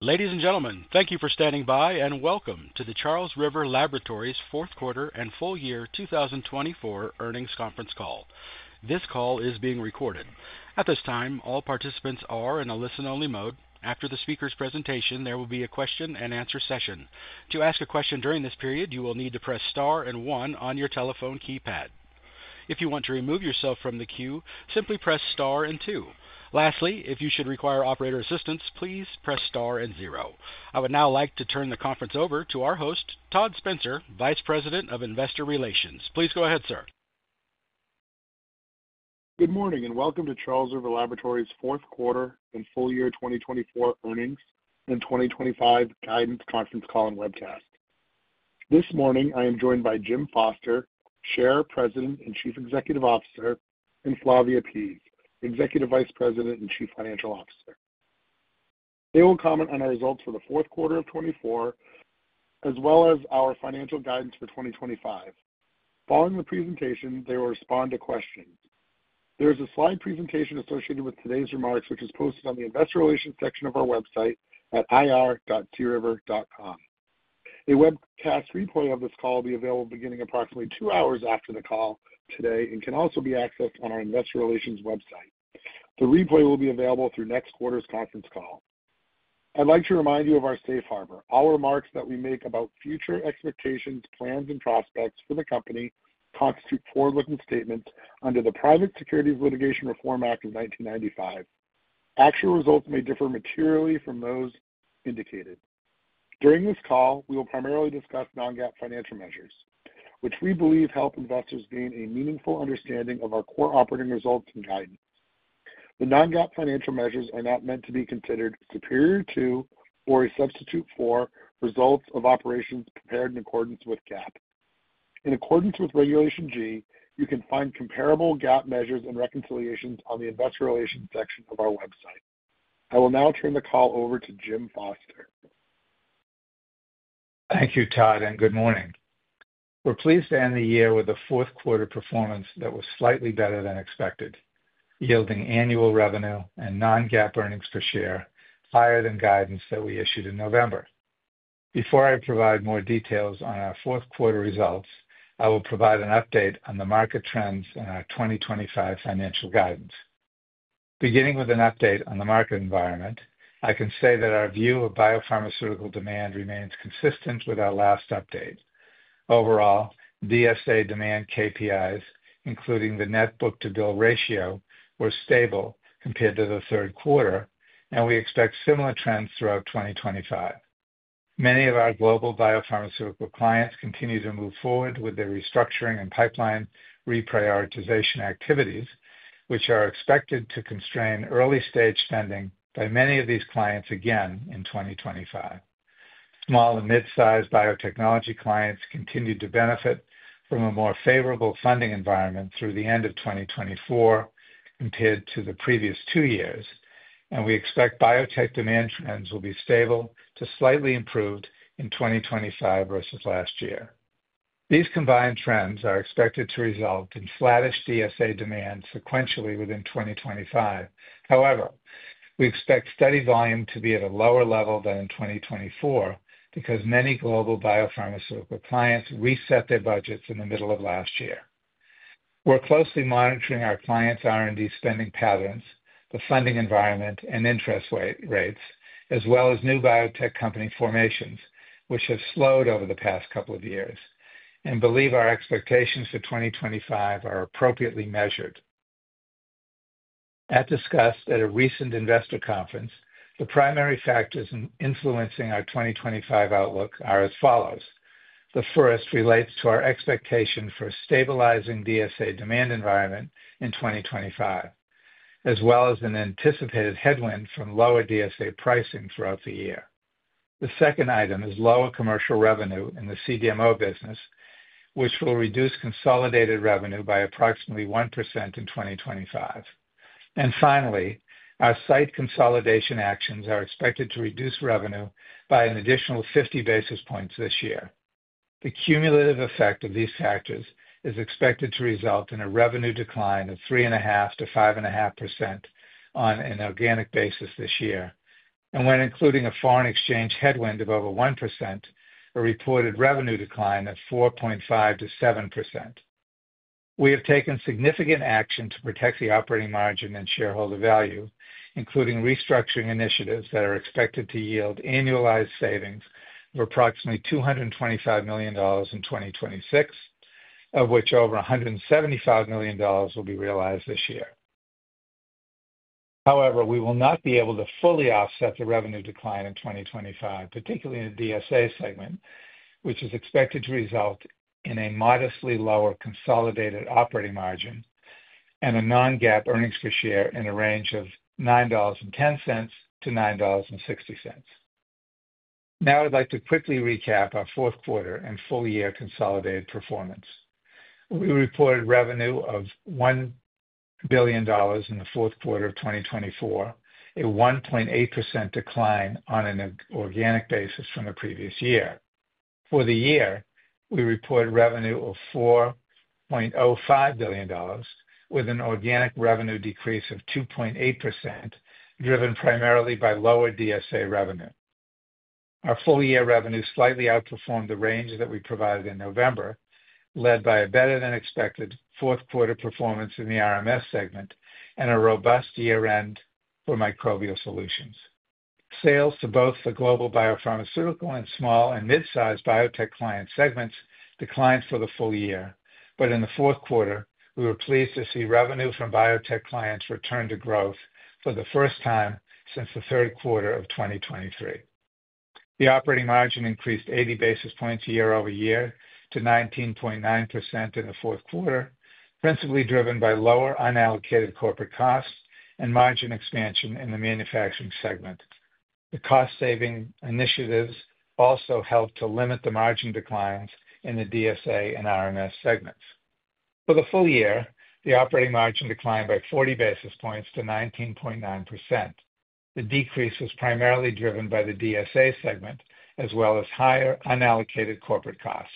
Ladies and gentlemen, thank you for standing by and welcome to the Charles River Laboratories Fourth Quarter and Full Year 2024 Earnings Conference Call. This call is being recorded. At this time, all participants are in a listen-only mode. After the speaker's presentation, there will be a question-and-answer session. To ask a question during this period, you will need to press star and one on your telephone keypad. If you want to remove yourself from the queue, simply press star and two. Lastly, if you should require operator assistance, please press star and zero. I would now like to turn the conference over to our host, Todd Spencer, Vice President of Investor Relations. Please go ahead, sir. Good morning and welcome to Charles River Laboratories Fourth Quarter and Full Year 2024 Earnings and 2025 Guidance Conference Call and Webcast. This morning, I am joined by Jim Foster, Chair, President, and Chief Executive Officer, and Flavia Pease, Executive Vice President and Chief Financial Officer. They will comment on our results for the fourth quarter of 2024, as well as our financial guidance for 2025. Following the presentation, they will respond to questions. There is a slide presentation associated with today's remarks, which is posted on the Investor Relations section of our website at ir.criver.com. A webcast replay of this call will be available beginning approximately two hours after the call today and can also be accessed on our Investor Relations website. The replay will be available through next quarter's conference call. I'd like to remind you of our safe harbor. All remarks that we make about future expectations, plans, and prospects for the company constitute forward-looking statements under the Private Securities Litigation Reform Act of 1995. Actual results may differ materially from those indicated. During this call, we will primarily discuss non-GAAP financial measures, which we believe help investors gain a meaningful understanding of our core operating results and guidance. The non-GAAP financial measures are not meant to be considered superior to or a substitute for results of operations prepared in accordance with GAAP. In accordance with Regulation G, you can find comparable GAAP measures and reconciliations on the Investor Relations section of our website. I will now turn the call over to Jim Foster. Thank you, Todd, and good morning. We're pleased to end the year with a fourth quarter performance that was slightly better than expected, yielding annual revenue and non-GAAP earnings per share higher than guidance that we issued in November. Before I provide more details on our fourth quarter results, I will provide an update on the market trends and our 2025 financial guidance. Beginning with an update on the market environment, I can say that our view of biopharmaceutical demand remains consistent with our last update. Overall, DSA demand KPIs, including the net book-to-bill ratio, were stable compared to the third quarter, and we expect similar trends throughout 2025. Many of our global biopharmaceutical clients continue to move forward with their restructuring and pipeline reprioritization activities, which are expected to constrain early-stage spending by many of these clients again in 2025. Small and mid-sized biotechnology clients continue to benefit from a more favorable funding environment through the end of 2024 compared to the previous two years, and we expect biotech demand trends will be stable to slightly improved in 2025 versus last year. These combined trends are expected to result in flatish DSA demand sequentially within 2025. However, we expect steady volume to be at a lower level than in 2024 because many global biopharmaceutical clients reset their budgets in the middle of last year. We're closely monitoring our clients' R&D spending patterns, the funding environment, and interest rates, as well as new biotech company formations, which have slowed over the past couple of years, and believe our expectations for 2025 are appropriately measured. As discussed at a recent investor conference, the primary factors influencing our 2025 outlook are as follows. The first relates to our expectation for a stabilizing DSA demand environment in 2025, as well as an anticipated headwind from lower DSA pricing throughout the year. The second item is lower commercial revenue in the CDMO business, which will reduce consolidated revenue by approximately 1% in 2025. And finally, our site consolidation actions are expected to reduce revenue by an additional 50 basis points this year. The cumulative effect of these factors is expected to result in a revenue decline of 3.5%-5.5% on an organic basis this year. And when including a foreign exchange headwind of over 1%, a reported revenue decline of 4.5%-7%. We have taken significant action to protect the operating margin and shareholder value, including restructuring initiatives that are expected to yield annualized savings of approximately $225 million in 2026, of which over $175 million will be realized this year. However, we will not be able to fully offset the revenue decline in 2025, particularly in the DSA segment, which is expected to result in a modestly lower consolidated operating margin and a non-GAAP earnings per share in a range of $9.10-$9.60. Now, I'd like to quickly recap our fourth quarter and full year consolidated performance. We reported revenue of $1 billion in the fourth quarter of 2024, a 1.8% decline on an organic basis from the previous year. For the year, we reported revenue of $4.05 billion, with an organic revenue decrease of 2.8% driven primarily by lower DSA revenue. Our full year revenue slightly outperformed the range that we provided in November, led by a better-than-expected fourth quarter performance in the RMS segment and a robust year-end for Microbial Solutions. Sales to both the global biopharmaceutical and small and mid-sized biotech client segments declined for the full year, but in the fourth quarter, we were pleased to see revenue from biotech clients return to growth for the first time since the third quarter of 2023. The operating margin increased 80 basis points year over year to 19.9% in the fourth quarter, principally driven by lower unallocated corporate costs and margin expansion in the Manufacturing segment. The cost-saving initiatives also helped to limit the margin declines in the DSA and RMS segments. For the full year, the operating margin declined by 40 basis points to 19.9%. The decrease was primarily driven by the DSA segment, as well as higher unallocated corporate costs.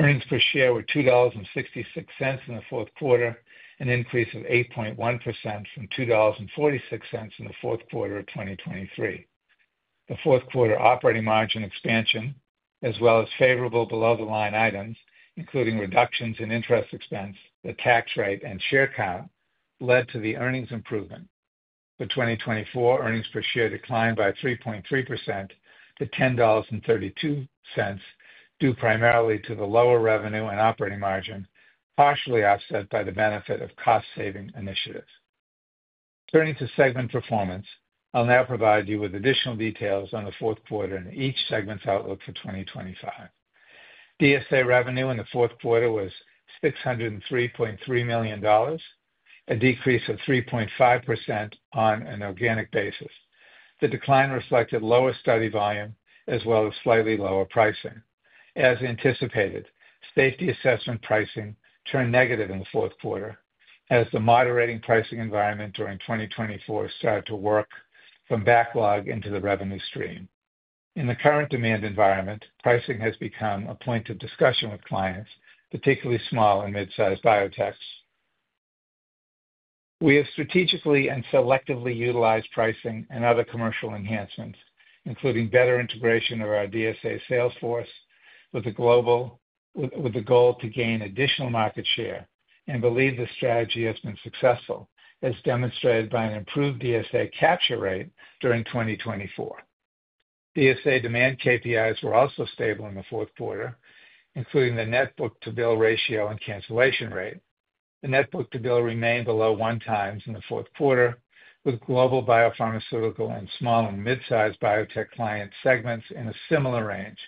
Earnings per share were $2.66 in the fourth quarter, an increase of 8.1% from $2.46 in the fourth quarter of 2023. The fourth quarter operating margin expansion, as well as favorable below-the-line items, including reductions in interest expense, the tax rate, and share count, led to the earnings improvement. The 2024 earnings per share declined by 3.3% to $10.32, due primarily to the lower revenue and operating margin, partially offset by the benefit of cost-saving initiatives. Turning to segment performance, I'll now provide you with additional details on the fourth quarter and each segment's outlook for 2025. DSA revenue in the fourth quarter was $603.3 million, a decrease of 3.5% on an organic basis. The decline reflected lower study volume as well as slightly lower pricing. As anticipated, Safety Assessment pricing turned negative in the fourth quarter as the moderating pricing environment during 2024 started to work from backlog into the revenue stream. In the current demand environment, pricing has become a point of discussion with clients, particularly small and mid-sized biotechs. We have strategically and selectively utilized pricing and other commercial enhancements, including better integration of our DSA sales force with the global, with the goal to gain additional market share, and believe the strategy has been successful, as demonstrated by an improved DSA capture rate during 2024. DSA demand KPIs were also stable in the fourth quarter, including the net book-to-bill ratio and cancellation rate. The net book-to-bill remained below one times in the fourth quarter, with global biopharmaceutical and small and mid-sized biotech client segments in a similar range.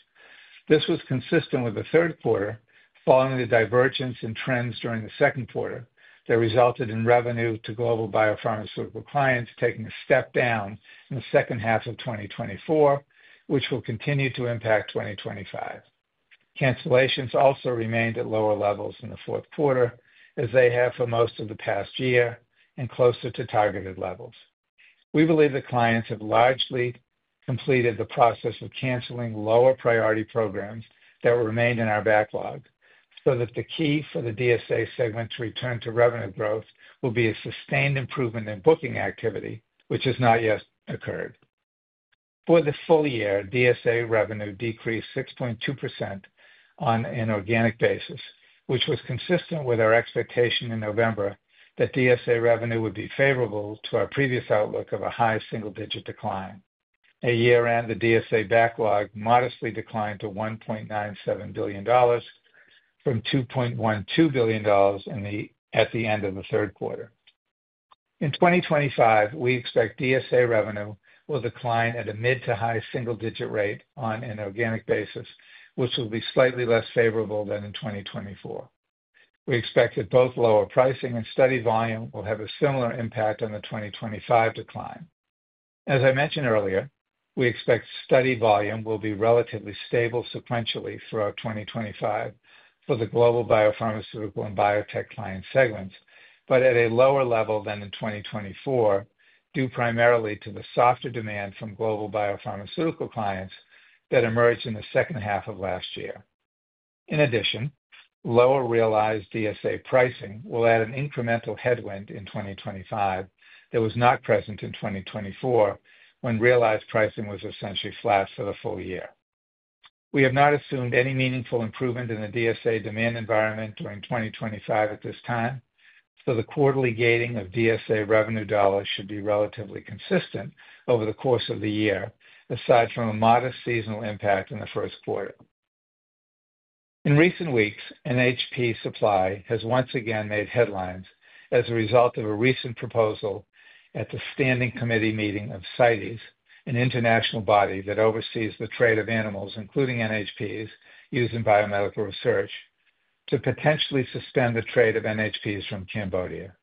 This was consistent with the third quarter, following the divergence in trends during the second quarter that resulted in revenue to global biopharmaceutical clients taking a step down in the second half of 2024, which will continue to impact 2025. Cancellations also remained at lower levels in the fourth quarter, as they have for most of the past year, and closer to targeted levels. We believe the clients have largely completed the process of canceling lower priority programs that remained in our backlog, so that the key for the DSA segment to return to revenue growth will be a sustained improvement in booking activity, which has not yet occurred. For the full year, DSA revenue decreased 6.2% on an organic basis, which was consistent with our expectation in November that DSA revenue would be favorable to our previous outlook of a high single-digit decline. At year-end, the DSA backlog modestly declined to $1.97 billion, from $2.12 billion at the end of the third quarter. In 2025, we expect DSA revenue will decline at a mid to high single-digit rate on an organic basis, which will be slightly less favorable than in 2024. We expect that both lower pricing and steady volume will have a similar impact on the 2025 decline. As I mentioned earlier, we expect steady volume will be relatively stable sequentially throughout 2025 for the global biopharmaceutical and biotech client segments, but at a lower level than in 2024, due primarily to the softer demand from global biopharmaceutical clients that emerged in the second half of last year. In addition, lower realized DSA pricing will add an incremental headwind in 2025 that was not present in 2024 when realized pricing was essentially flat for the full year. We have not assumed any meaningful improvement in the DSA demand environment during 2025 at this time, so the quarterly gating of DSA revenue dollars should be relatively consistent over the course of the year, aside from a modest seasonal impact in the first quarter. In recent weeks, NHP supply has once again made headlines as a result of a recent proposal at the Standing Committee meeting of CITES, an international body that oversees the trade of animals, including NHPs, used in biomedical research, to potentially suspend the trade of NHPs from Cambodia.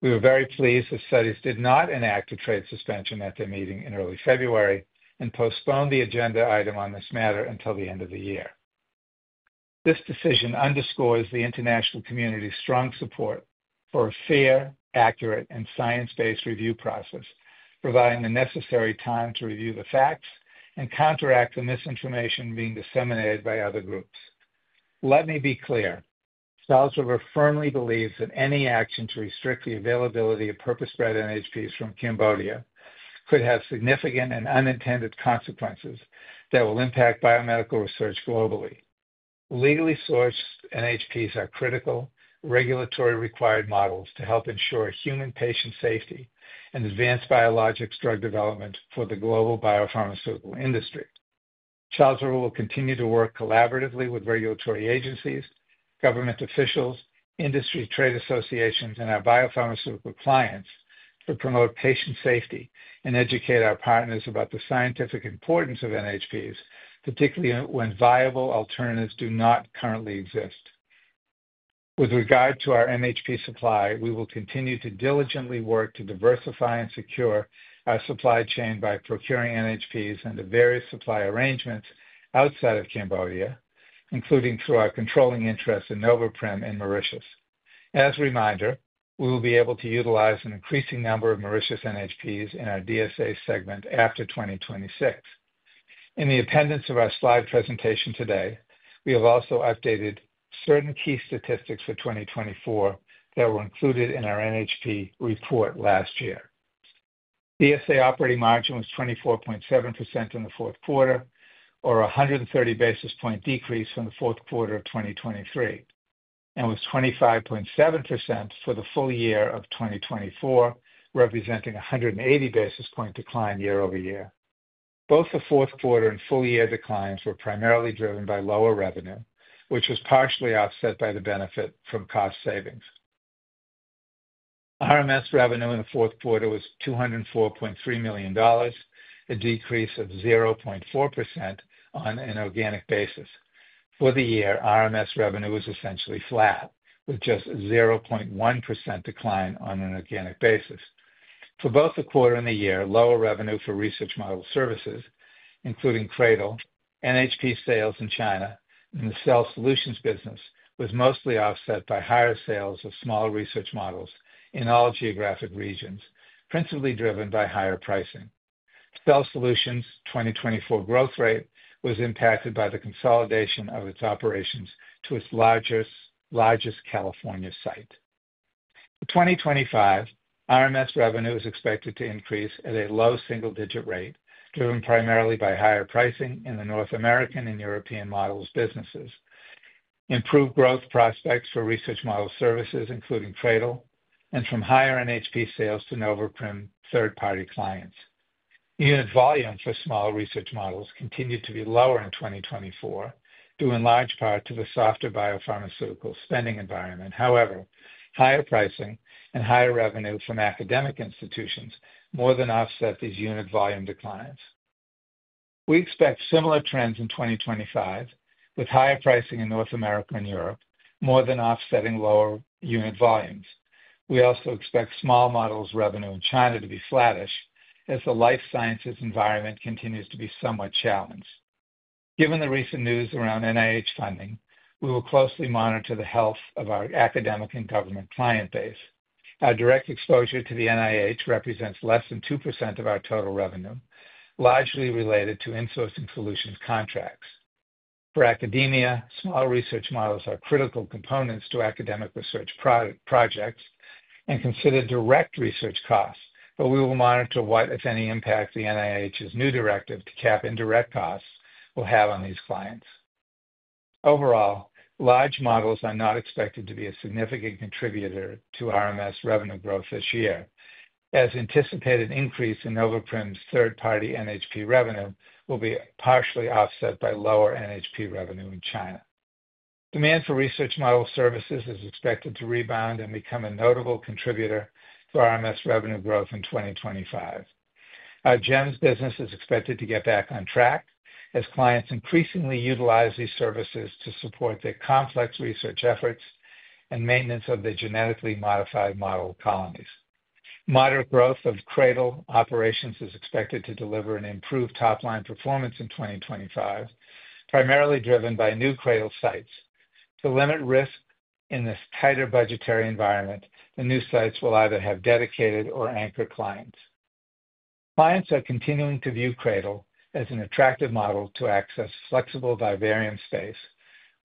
We were very pleased that CITES did not enact a trade suspension at their meeting in early February and postponed the agenda item on this matter until the end of the year. This decision underscores the international community's strong support for a fair, accurate, and science-based review process, providing the necessary time to review the facts and counteract the misinformation being disseminated by other groups. Let me be clear. Charles River firmly believes that any action to restrict the availability of purpose-bred NHPs from Cambodia could have significant and unintended consequences that will impact biomedical research globally. Legally sourced NHPs are critical regulatory-required models to help ensure human patient safety and advance biologics drug development for the global biopharmaceutical industry. Charles River will continue to work collaboratively with regulatory agencies, government officials, industry trade associations, and our biopharmaceutical clients to promote patient safety and educate our partners about the scientific importance of NHPs, particularly when viable alternatives do not currently exist. With regard to our NHP supply, we will continue to diligently work to diversify and secure our supply chain by procuring NHPs under various supply arrangements outside of Cambodia, including through our controlling interests in Noveprim in Mauritius. As a reminder, we will be able to utilize an increasing number of Mauritius NHPs in our DSA segment after 2026. In the appendix of our slide presentation today, we have also updated certain key statistics for 2024 that were included in our NHP report last year. DSA operating margin was 24.7% in the fourth quarter, or a 130 basis point decrease from the fourth quarter of 2023, and was 25.7% for the full year of 2024, representing a 180 basis point decline year over year. Both the fourth quarter and full year declines were primarily driven by lower revenue, which was partially offset by the benefit from cost savings. RMS revenue in the fourth quarter was $204.3 million, a decrease of 0.4% on an organic basis. For the year, RMS revenue was essentially flat, with just a 0.1% decline on an organic basis. For both the quarter and the year, lower revenue for Research Model Services, including CRADL, NHP sales in China, and the Cell Solutions business was mostly offset by higher sales of small Research Models in all geographic regions, principally driven by higher pricing. Cell Solutions' 2024 growth rate was impacted by the consolidation of its operations to its largest California site. For 2025, RMS revenue is expected to increase at a low single-digit rate, driven primarily by higher pricing in the North American and European models businesses, improved growth prospects for Research Model Services, including CRADL, and from higher NHP sales to Noveprim third-party clients. Unit volume for small Research Models continued to be lower in 2024, due in large part to the softer biopharmaceutical spending environment. However, higher pricing and higher revenue from academic institutions more than offset these unit volume declines. We expect similar trends in 2025, with higher pricing in North America and Europe more than offsetting lower unit volumes. We also expect small models' revenue in China to be flattish, as the life sciences environment continues to be somewhat challenged. Given the recent news around NIH funding, we will closely monitor the health of our academic and government client base. Our direct exposure to the NIH represents less than 2% of our total revenue, largely related to Insourcing Solutions contracts. For academia, small Research Models are critical components to academic research projects and consider direct research costs, but we will monitor what, if any, impact the NIH's new directive to cap indirect costs will have on these clients. Overall, large models are not expected to be a significant contributor to RMS revenue growth this year, as anticipated increase in Noveprim's third-party NHP revenue will be partially offset by lower NHP revenue in China. Demand for Research Model Services is expected to rebound and become a notable contributor to RMS revenue growth in 2025. Our GEMS business is expected to get back on track, as clients increasingly utilize these services to support their complex research efforts and maintenance of their genetically modified model colonies. Moderate growth of CRADL operations is expected to deliver an improved top-line performance in 2025, primarily driven by new CRADL sites. To limit risk in this tighter budgetary environment, the new sites will either have dedicated or anchored clients. Clients are continuing to view CRADL as an attractive model to access flexible vivarium space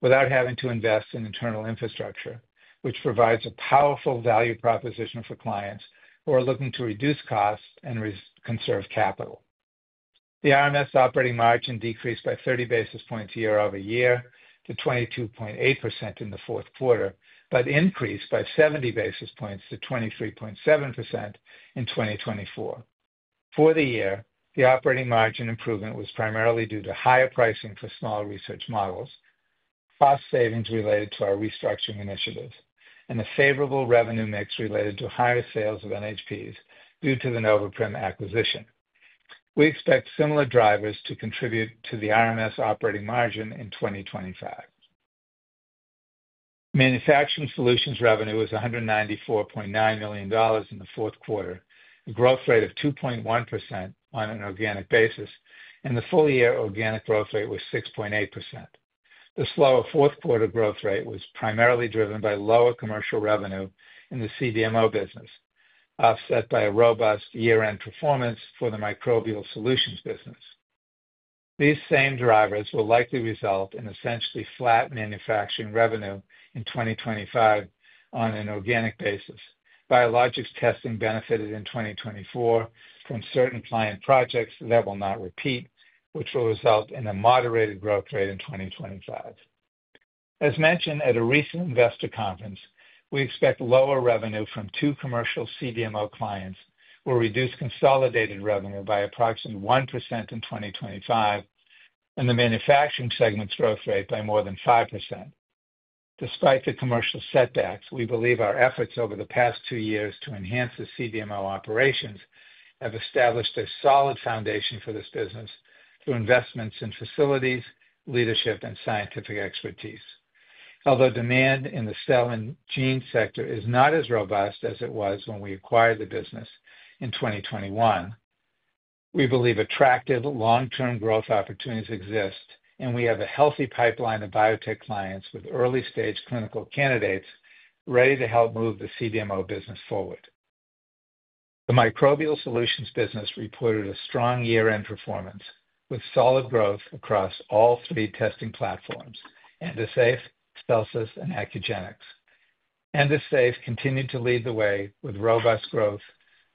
without having to invest in internal infrastructure, which provides a powerful value proposition for clients who are looking to reduce costs and conserve capital. The RMS operating margin decreased by 30 basis points year over year to 22.8% in the fourth quarter, but increased by 70 basis points to 23.7% in 2024. For the year, the operating margin improvement was primarily due to higher pricing for small Research Models, cost savings related to our restructuring initiatives, and a favorable revenue mix related to higher sales of NHPs due to the Noveprim acquisition. We expect similar drivers to contribute to the RMS operating margin in 2025. Manufacturing Solutions revenue was $194.9 million in the fourth quarter, a growth rate of 2.1% on an organic basis, and the full-year organic growth rate was 6.8%. The slower fourth quarter growth rate was primarily driven by lower commercial revenue in the CDMO business, offset by a robust year-end performance for the Microbial Solutions business. These same drivers will likely result in essentially flat Manufacturing Solutions revenue in 2025 on an organic basis. Biologics Testing benefited in 2024 from certain client projects that will not repeat, which will result in a moderated growth rate in 2025. As mentioned at a recent investor conference, we expect lower revenue from two commercial CDMO clients will reduce consolidated revenue by approximately 1% in 2025 and the Manufacturing Solutions segment's growth rate by more than 5%. Despite the commercial setbacks, we believe our efforts over the past two years to enhance the CDMO operations have established a solid foundation for this business through investments in facilities, leadership, and scientific expertise. Although demand in the cell and gene sector is not as robust as it was when we acquired the business in 2021, we believe attractive long-term growth opportunities exist, and we have a healthy pipeline of biotech clients with early-stage clinical candidates ready to help move the CDMO business forward. The Microbial Solutions business reported a strong year-end performance with solid growth across all three testing platforms: Endosafe, Celsis, and Accugenix. Endosafe continued to lead the way with robust growth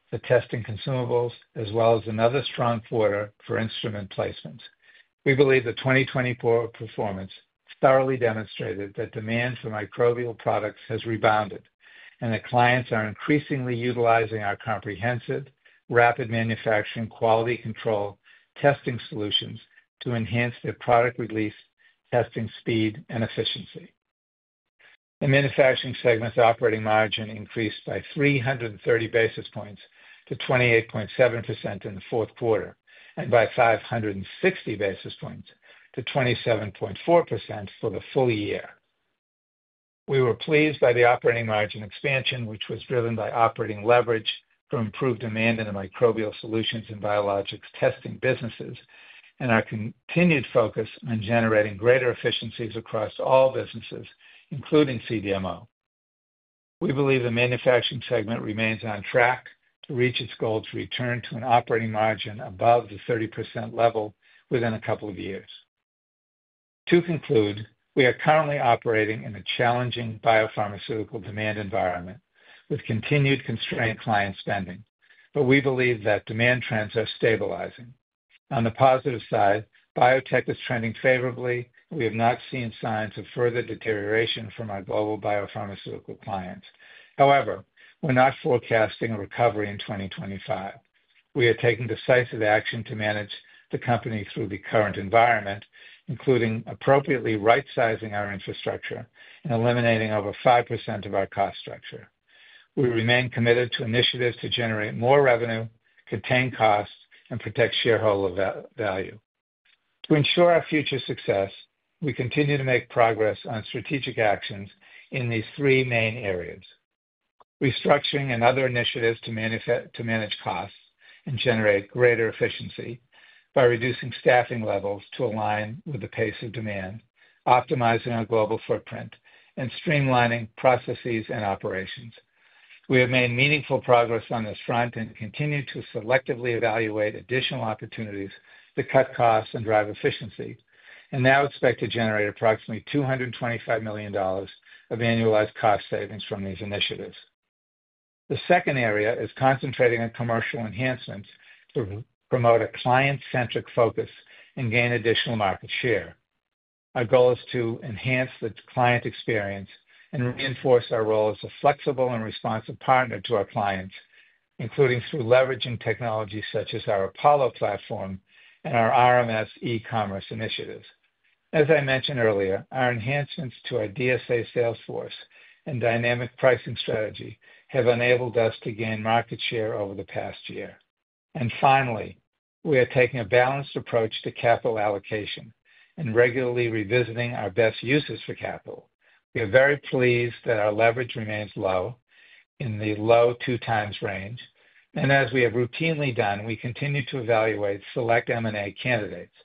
for testing consumables, as well as another strong quarter for instrument placements. We believe the 2024 performance thoroughly demonstrated that demand for Microbial products has rebounded and that clients are increasingly utilizing our comprehensive, rapid manufacturing, quality control testing solutions to enhance their product release testing speed and efficiency. The Manufacturing segment's operating margin increased by 330 basis points to 28.7% in the fourth quarter and by 560 basis points to 27.4% for the full year. We were pleased by the operating margin expansion, which was driven by operating leverage for improved demand in the Microbial Solutions and Biologics Testing businesses and our continued focus on generating greater efficiencies across all businesses, including CDMO. We believe the Manufacturing segment remains on track to reach its goal to return to an operating margin above the 30% level within a couple of years. To conclude, we are currently operating in a challenging biopharmaceutical demand environment with continued constrained client spending, but we believe that demand trends are stabilizing. On the positive side, biotech is trending favorably, and we have not seen signs of further deterioration from our global biopharmaceutical clients. However, we're not forecasting a recovery in 2025. We are taking decisive action to manage the company through the current environment, including appropriately right-sizing our infrastructure and eliminating over 5% of our cost structure. We remain committed to initiatives to generate more revenue, contain costs, and protect shareholder value. To ensure our future success, we continue to make progress on strategic actions in these three main areas: restructuring and other initiatives to manage costs and generate greater efficiency by reducing staffing levels to align with the pace of demand, optimizing our global footprint, and streamlining processes and operations. We have made meaningful progress on this front and continue to selectively evaluate additional opportunities to cut costs and drive efficiency, and now expect to generate approximately $225 million of annualized cost savings from these initiatives. The second area is concentrating on commercial enhancements to promote a client-centric focus and gain additional market share. Our goal is to enhance the client experience and reinforce our role as a flexible and responsive partner to our clients, including through leveraging technologies such as our Apollo platform and our RMS e-commerce initiatives. As I mentioned earlier, our enhancements to our DSA sales force and dynamic pricing strategy have enabled us to gain market share over the past year, and finally, we are taking a balanced approach to capital allocation and regularly revisiting our best uses for capital. We are very pleased that our leverage remains low in the low two-times range, and as we have routinely done, we continue to evaluate select M&A candidates.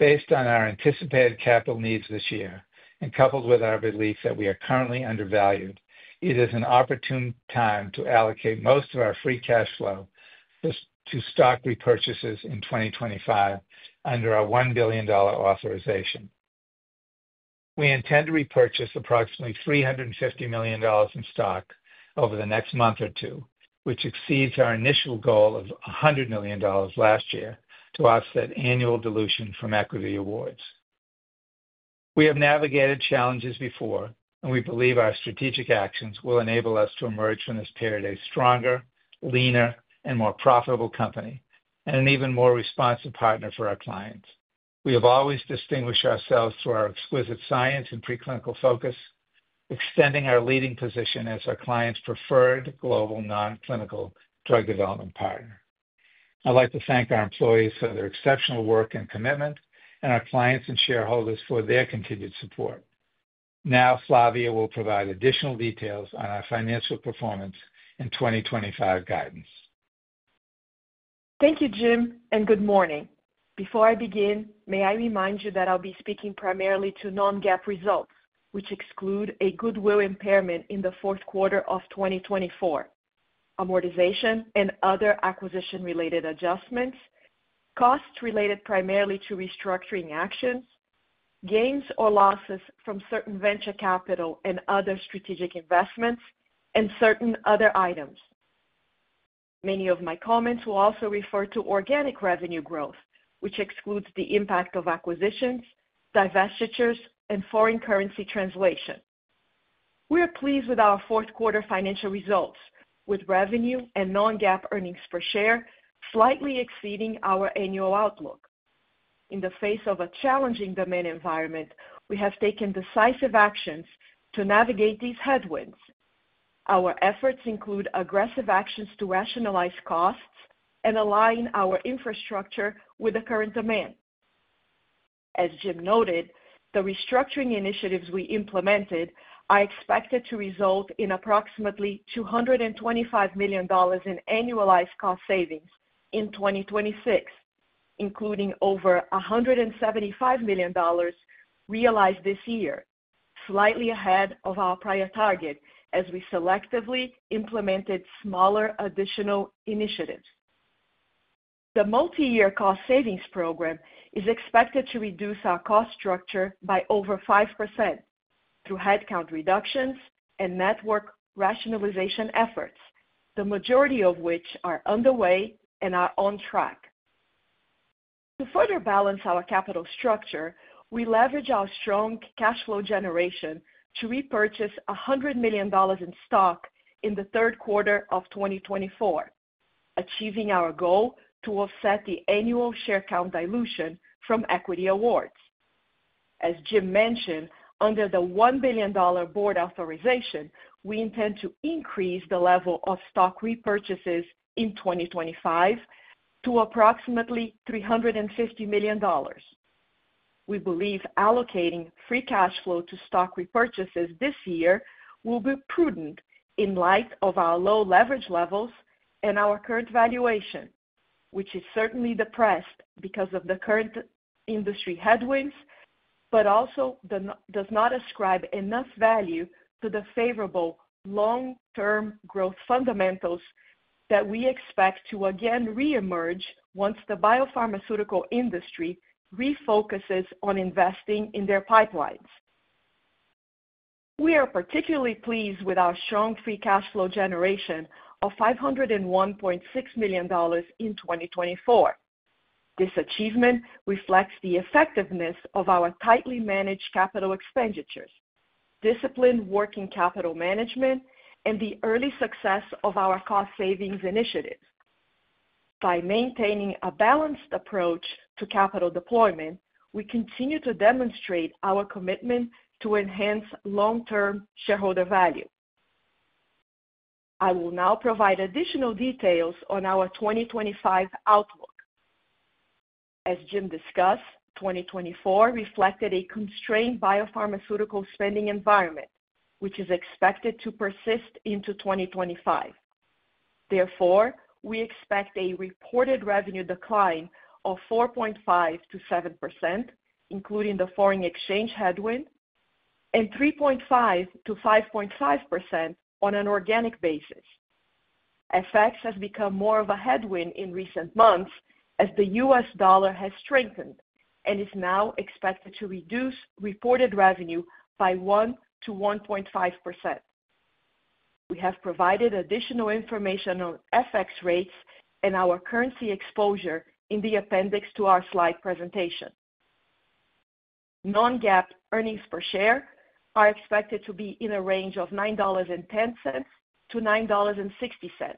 Based on our anticipated capital needs this year and coupled with our belief that we are currently undervalued, it is an opportune time to allocate most of our free cash flow to stock repurchases in 2025 under our $1 billion authorization. We intend to repurchase approximately $350 million in stock over the next month or two, which exceeds our initial goal of $100 million last year to offset annual dilution from equity awards. We have navigated challenges before, and we believe our strategic actions will enable us to emerge from this period a stronger, leaner, and more profitable company, and an even more responsive partner for our clients. We have always distinguished ourselves through our exquisite science and preclinical focus, extending our leading position as our client's preferred global non-clinical drug development partner. I'd like to thank our employees for their exceptional work and commitment, and our clients and shareholders for their continued support. Now, Flavia will provide additional details on our financial performance and 2025 guidance. Thank you, Jim, and good morning. Before I begin, may I remind you that I'll be speaking primarily to non-GAAP results, which exclude a goodwill impairment in the fourth quarter of 2024, amortization and other acquisition-related adjustments, costs related primarily to restructuring actions, gains or losses from certain venture capital and other strategic investments, and certain other items. Many of my comments will also refer to organic revenue growth, which excludes the impact of acquisitions, divestitures, and foreign currency translation. We are pleased with our fourth quarter financial results, with revenue and non-GAAP earnings per share slightly exceeding our annual outlook. In the face of a challenging demand environment, we have taken decisive actions to navigate these headwinds. Our efforts include aggressive actions to rationalize costs and align our infrastructure with the current demand. As Jim noted, the restructuring initiatives we implemented are expected to result in approximately $225 million in annualized cost savings in 2026, including over $175 million realized this year, slightly ahead of our prior target as we selectively implemented smaller additional initiatives. The multi-year cost savings program is expected to reduce our cost structure by over 5% through headcount reductions and network rationalization efforts, the majority of which are underway and are on track. To further balance our capital structure, we leverage our strong cash flow generation to repurchase $100 million in stock in the third quarter of 2024, achieving our goal to offset the annual share count dilution from equity awards. As Jim mentioned, under the $1 billion board authorization, we intend to increase the level of stock repurchases in 2025 to approximately $350 million. We believe allocating free cash flow to stock repurchases this year will be prudent in light of our low leverage levels and our current valuation, which is certainly depressed because of the current industry headwinds, but also does not ascribe enough value to the favorable long-term growth fundamentals that we expect to again reemerge once the biopharmaceutical industry refocuses on investing in their pipelines. We are particularly pleased with our strong free cash flow generation of $501.6 million in 2024. This achievement reflects the effectiveness of our tightly managed capital expenditures, disciplined working capital management, and the early success of our cost savings initiatives. By maintaining a balanced approach to capital deployment, we continue to demonstrate our commitment to enhance long-term shareholder value. I will now provide additional details on our 2025 outlook. As Jim discussed, 2024 reflected a constrained biopharmaceutical spending environment, which is expected to persist into 2025. Therefore, we expect a reported revenue decline of 4.5%-7%, including the foreign exchange headwind, and 3.5%-5.5% on an organic basis. FX has become more of a headwind in recent months as the U.S. dollar has strengthened and is now expected to reduce reported revenue by 1%-1.5%. We have provided additional information on FX rates and our currency exposure in the appendix to our slide presentation. Non-GAAP earnings per share are expected to be in a range of $9.10-$9.60.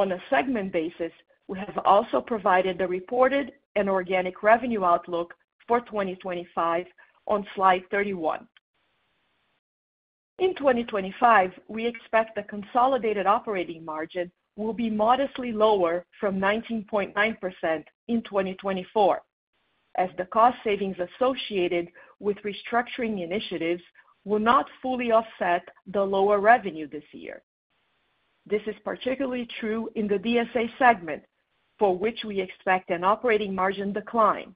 On a segment basis, we have also provided the reported and organic revenue outlook for 2025 on slide 31. In 2025, we expect the consolidated operating margin will be modestly lower from 19.9% in 2024, as the cost savings associated with restructuring initiatives will not fully offset the lower revenue this year. This is particularly true in the DSA segment, for which we expect an operating margin decline.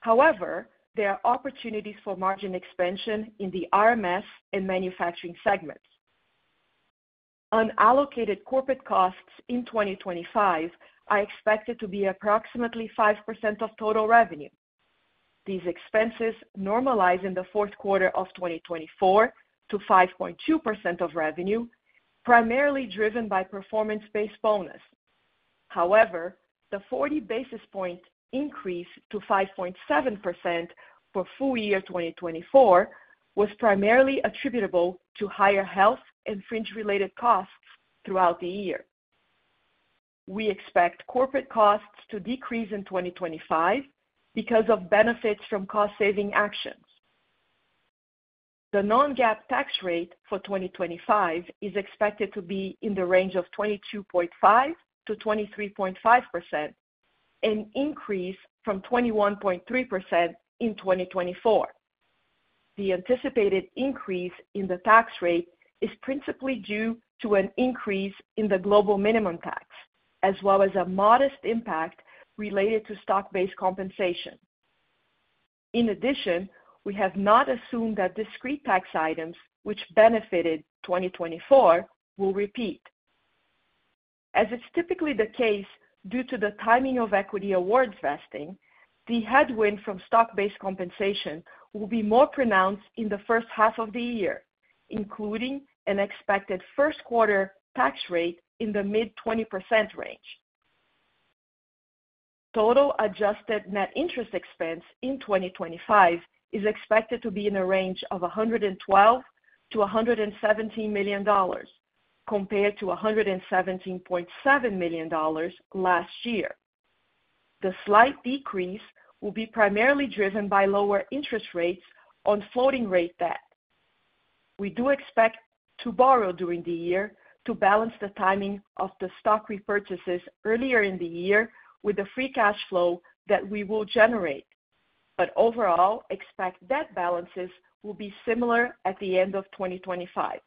However, there are opportunities for margin expansion in the RMS and Manufacturing segments. Unallocated corporate costs in 2025 are expected to be approximately 5% of total revenue. These expenses normalize in the fourth quarter of 2024 to 5.2% of revenue, primarily driven by performance-based bonus. However, the 40 basis points increase to 5.7% for full year 2024 was primarily attributable to higher health and fringe-related costs throughout the year. We expect corporate costs to decrease in 2025 because of benefits from cost-saving actions. The non-GAAP tax rate for 2025 is expected to be in the range of 22.5%-23.5%, an increase from 21.3% in 2024. The anticipated increase in the tax rate is principally due to an increase in the global minimum tax, as well as a modest impact related to stock-based compensation. In addition, we have not assumed that discrete tax items, which benefited 2024, will repeat. As it's typically the case due to the timing of equity awards vesting, the headwind from stock-based compensation will be more pronounced in the first half of the year, including an expected first quarter tax rate in the mid-20% range. Total adjusted net interest expense in 2025 is expected to be in a range of $112 million-$117 million, compared to $117.7 million last year. The slight decrease will be primarily driven by lower interest rates on floating-rate debt. We do expect to borrow during the year to balance the timing of the stock repurchases earlier in the year with the free cash flow that we will generate, but overall, expect debt balances will be similar at the end of 2025.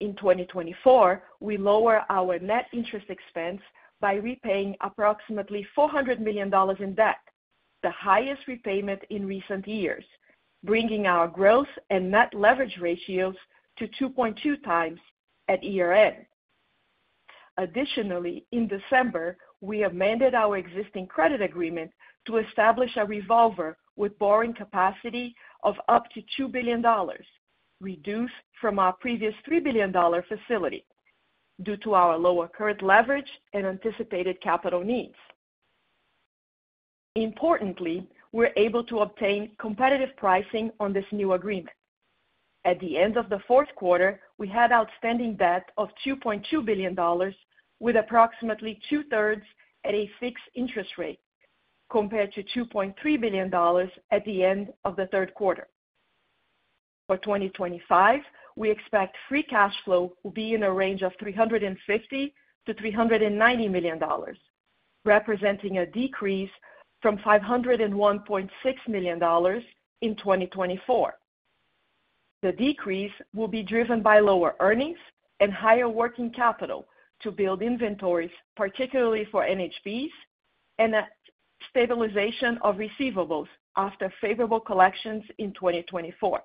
In 2024, we lower our net interest expense by repaying approximately $400 million in debt, the highest repayment in recent years, bringing our gross and net leverage ratios to 2.2 times at year-end. Additionally, in December, we have amended our existing credit agreement to establish a revolver with borrowing capacity of up to $2 billion, reduced from our previous $3 billion facility due to our lower current leverage and anticipated capital needs. Importantly, we're able to obtain competitive pricing on this new agreement. At the end of the fourth quarter, we had outstanding debt of $2.2 billion, with approximately two-thirds at a fixed interest rate, compared to $2.3 billion at the end of the third quarter. For 2025, we expect free cash flow will be in a range of $350 million-$390 million, representing a decrease from $501.6 million in 2024. The decrease will be driven by lower earnings and higher working capital to build inventories, particularly for NHPs, and a stabilization of receivables after favorable collections in 2024.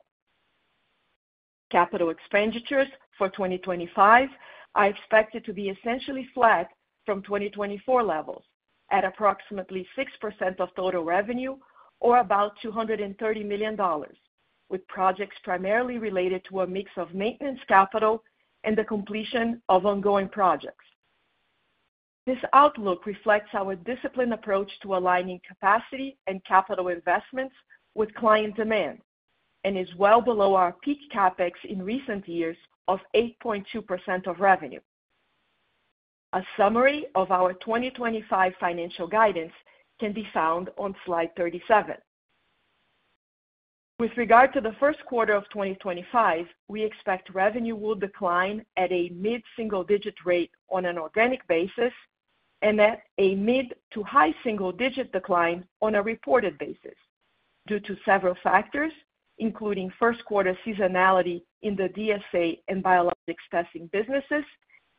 Capital expenditures for 2025 are expected to be essentially flat from 2024 levels, at approximately 6% of total revenue, or about $230 million, with projects primarily related to a mix of maintenance capital and the completion of ongoing projects. This outlook reflects our disciplined approach to aligning capacity and capital investments with client demand and is well below our peak CapEx in recent years of 8.2% of revenue. A summary of our 2025 financial guidance can be found on slide 37. With regard to the first quarter of 2025, we expect revenue will decline at a mid-single-digit rate on an organic basis and at a mid to high single-digit decline on a reported basis, due to several factors, including first quarter seasonality in the DSA and Biologics Testing businesses,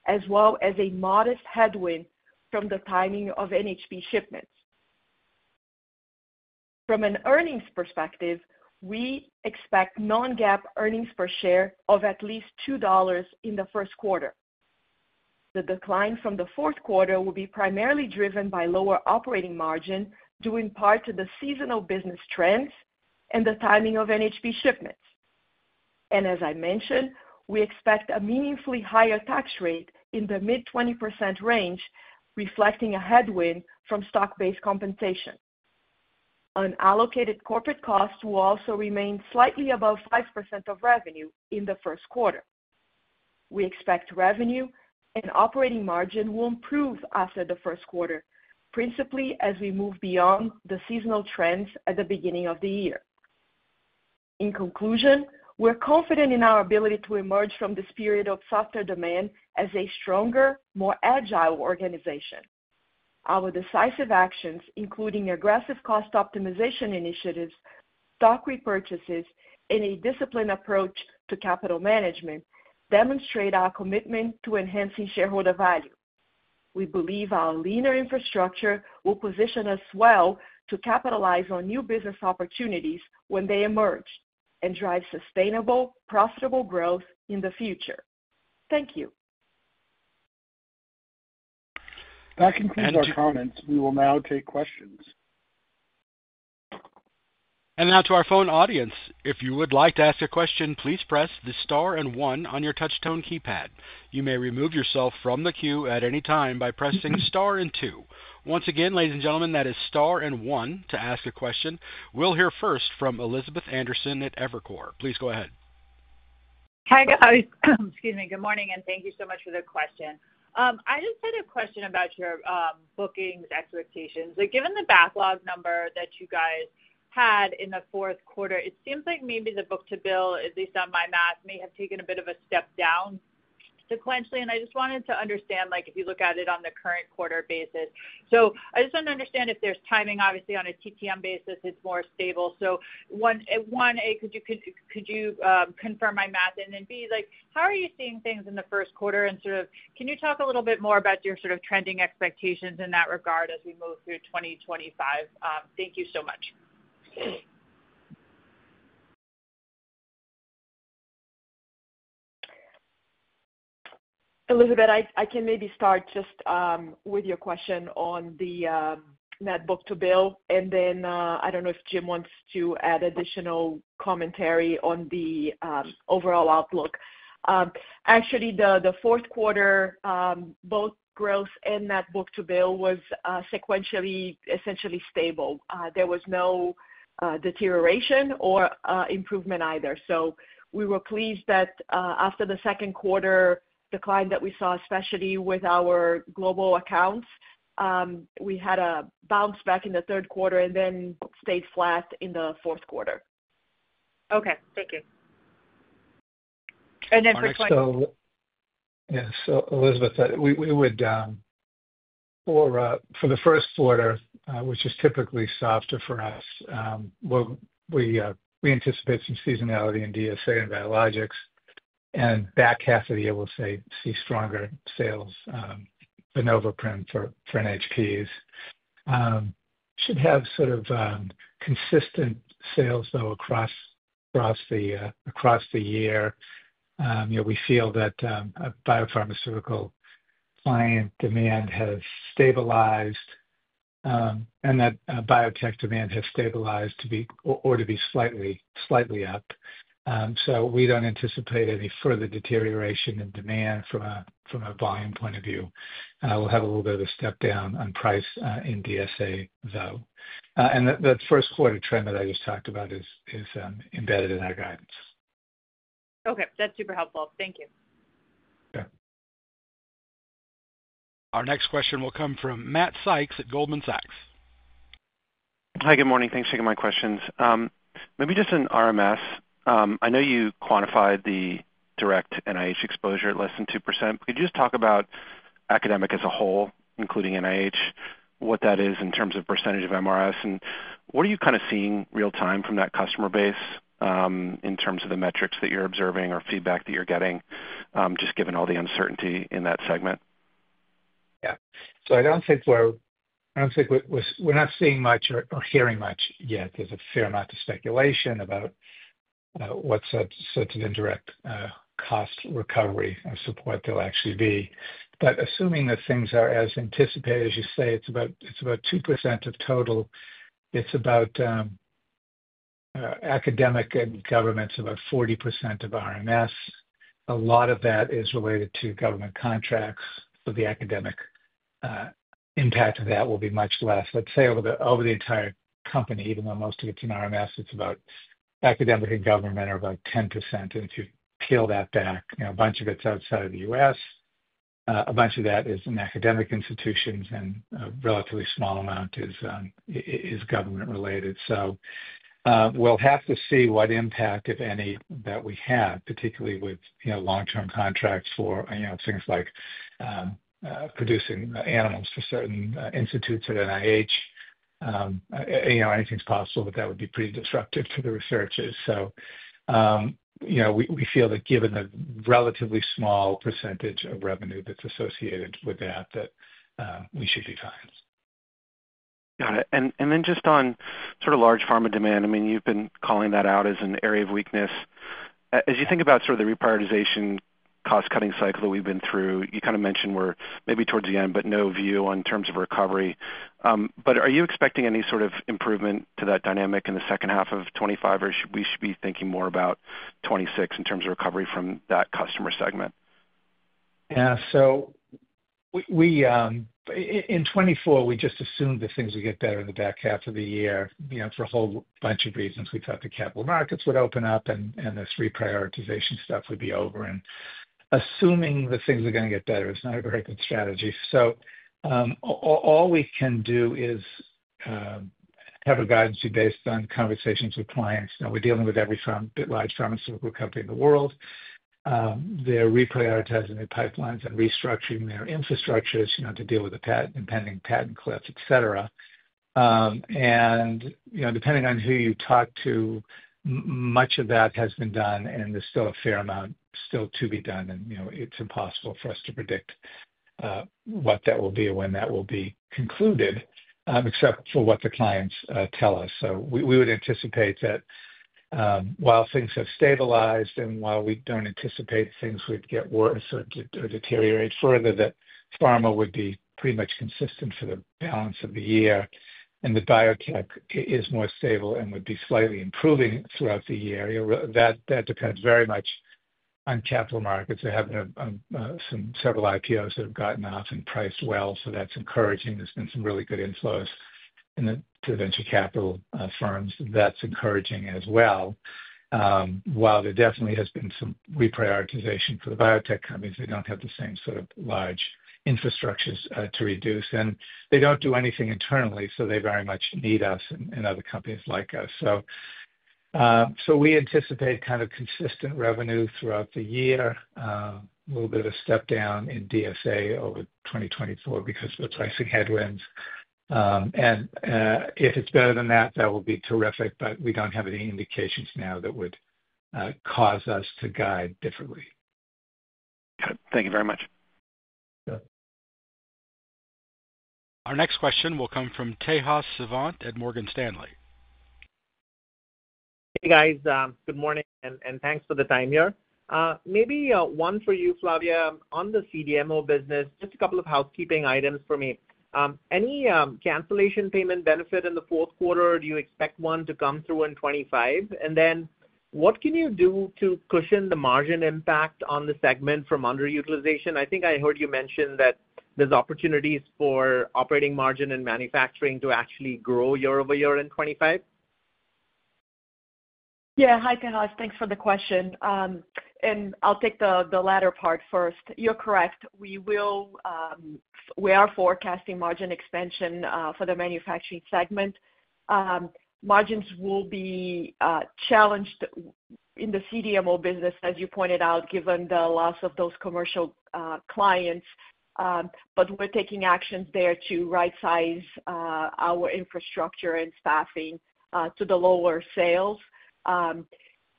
as well as a modest headwind from the timing of NHP shipments. From an earnings perspective, we expect non-GAAP earnings per share of at least $2 in the first quarter. The decline from the fourth quarter will be primarily driven by lower operating margin due in part to the seasonal business trends and the timing of NHP shipments, and as I mentioned, we expect a meaningfully higher tax rate in the mid-20% range, reflecting a headwind from stock-based compensation. Unallocated corporate costs will also remain slightly above 5% of revenue in the first quarter. We expect revenue and operating margin will improve after the first quarter, principally as we move beyond the seasonal trends at the beginning of the year. In conclusion, we're confident in our ability to emerge from this period of softer demand as a stronger, more agile organization. Our decisive actions, including aggressive cost optimization initiatives, stock repurchases, and a disciplined approach to capital management, demonstrate our commitment to enhancing shareholder value. We believe our leaner infrastructure will position us well to capitalize on new business opportunities when they emerge and drive sustainable, profitable growth in the future. Thank you. That concludes our comments. We will now take questions. And now to our phone audience. If you would like to ask a question, please press the star and one on your touch-tone keypad. You may remove yourself from the queue at any time by pressing star and two. Once again, ladies and gentlemen, that is star and one to ask a question. We'll hear first from Elizabeth Anderson at Evercore. Please go ahead. Hi, guys. Excuse me. Good morning, and thank you so much for the question. I just had a question about your bookings expectations. Given the backlog number that you guys had in the fourth quarter, it seems like maybe the book-to-bill, at least on my math, may have taken a bit of a step down sequentially. And I just wanted to understand if you look at it on the current quarter basis. So I just want to understand if there's timing, obviously, on a TTM basis. It's more stable. So one, A, could you confirm my math? And then B, how are you seeing things in the first quarter? And can you talk a little bit more about your sort of trending expectations in that regard as we move through 2025? Thank you so much. Elizabeth, I can maybe start just with your question on the net book-to-bill. And then I don't know if Jim wants to add additional commentary on the overall outlook. Actually, the fourth quarter, both gross and net book-to-bill, was sequentially essentially stable. There was no deterioration or improvement either. So we were pleased that after the second quarter, the client that we saw, especially with our global accounts, we had a bounce back in the third quarter and then stayed flat in the fourth quarter. Okay. Thank you. And then for And so Elizabeth, we would for the first quarter, which is typically softer for us, we anticipate some seasonality in DSA and biologics. And back half of the year, we'll see stronger sales for Noveprim for NHPs. Should have sort of consistent sales, though, across the year. We feel that biopharmaceutical client demand has stabilized and that biotech demand has stabilized or to be slightly up. So we don't anticipate any further deterioration in demand from a volume point of view. We'll have a little bit of a step down on price in DSA, though, and the first quarter trend that I just talked about is embedded in our guidance. Okay. That's super helpful. Thank you. Okay. Our next question will come from Matt Sykes at Goldman Sachs. Hi. Good morning. Thanks for taking my questions. Maybe just on RMS. I know you quantified the direct NIH exposure at less than 2%. Could you just talk about academic as a whole, including NIH, what that is in terms of percentage of RMS? And what are you kind of seeing real-time from that customer base in terms of the metrics that you're observing or feedback that you're getting, just given all the uncertainty in that segment? Yeah. So I don't think we're not seeing much or hearing much yet. There's a fair amount of speculation about what sorts of indirect cost recovery and support there'll actually be, but assuming that things are as anticipated, as you say, it's about 2% of total. It's about academic and government's about 40% of RMS. A lot of that is related to government contracts, so the academic impact of that will be much less. Let's say over the entire company, even though most of it's in RMS, it's about academic and government are about 10%, and if you peel that back, a bunch of it's outside of the U.S. A bunch of that is in academic institutions, and a relatively small amount is government-related, so we'll have to see what impact, if any, that we have, particularly with long-term contracts for things like producing animals for certain institutes at NIH. Anything's possible, but that would be pretty disruptive to the researchers. So we feel that given the relatively small percentage of revenue that's associated with that, that we should be fine. Got it. And then just on sort of large pharma demand, I mean, you've been calling that out as an area of weakness. As you think about sort of the reprioritization cost-cutting cycle that we've been through, you kind of mentioned we're maybe towards the end, but no view on terms of recovery. But are you expecting any sort of improvement to that dynamic in the second half of 2025, or should we be thinking more about 2026 in terms of recovery from that customer segment? Yeah. So in 2024, we just assumed that things would get better in the back half of the year for a whole bunch of reasons. We thought the capital markets would open up, and this reprioritization stuff would be over. Assuming that things are going to get better is not a very good strategy. All we can do is have a guidance based on conversations with clients. We're dealing with every large pharmaceutical company in the world. They're reprioritizing their pipelines and restructuring their infrastructures to deal with the impending patent cliffs, etc. Depending on who you talk to, much of that has been done, and there's still a fair amount still to be done. It's impossible for us to predict what that will be or when that will be concluded, except for what the clients tell us. We would anticipate that while things have stabilized and while we don't anticipate things would get worse or deteriorate further, that pharma would be pretty much consistent for the balance of the year. The biotech is more stable and would be slightly improving throughout the year. That depends very much on capital markets. They have several IPOs that have gotten off and priced well. So that's encouraging. There's been some really good inflows to venture capital firms. That's encouraging as well. While there definitely has been some reprioritization for the biotech companies, they don't have the same sort of large infrastructures to reduce. And they don't do anything internally, so they very much need us and other companies like us. So we anticipate kind of consistent revenue throughout the year, a little bit of a step down in DSA over 2024 because of the pricing headwinds. And if it's better than that, that will be terrific, but we don't have any indications now that would cause us to guide differently. Okay. Thank you very much. Our next question will come from Tejas Savant at Morgan Stanley. Hey, guys. Good morning, and thanks for the time here. Maybe one for you, Flavia, on the CDMO business, just a couple of housekeeping items for me. Any cancellation payment benefit in the fourth quarter? Do you expect one to come through in 2025? And then what can you do to cushion the margin impact on the segment from underutilization? I think I heard you mention that there's opportunities for operating margin and manufacturing to actually grow year over year in 2025. Yeah. Hi, Tejas. Thanks for the question. And I'll take the latter part first. You're correct. We are forecasting margin expansion for the Manufacturing segment. Margins will be challenged in the CDMO business, as you pointed out, given the loss of those commercial clients. But we're taking actions there to right-size our infrastructure and staffing to the lower sales.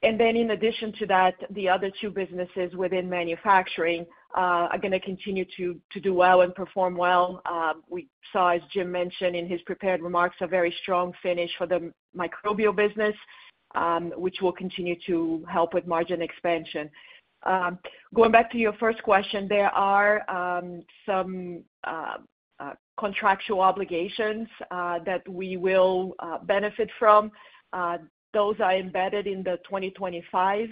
And then in addition to that, the other two businesses within manufacturing are going to continue to do well and perform well. We saw, as Jim mentioned in his prepared remarks, a very strong finish for the Microbial business, which will continue to help with margin expansion. Going back to your first question, there are some contractual obligations that we will benefit from. Those are embedded in the 2025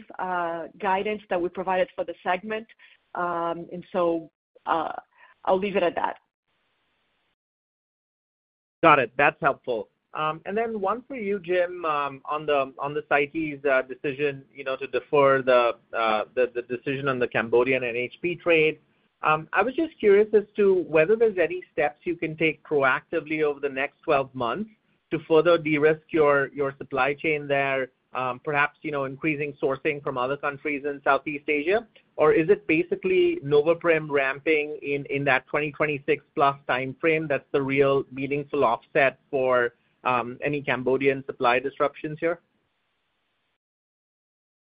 guidance that we provided for the segment. And so I'll leave it at that. Got it. That's helpful. And then one for you, Jim, on the CITES's decision to defer the decision on the Cambodian NHP trade. I was just curious as to whether there's any steps you can take proactively over the next 12 months to further de-risk your supply chain there, perhaps increasing sourcing from other countries in Southeast Asia? Or is it basically Noveprim ramping in that 2026 plus timeframe that's the real meaningful offset for any Cambodian supply disruptions here?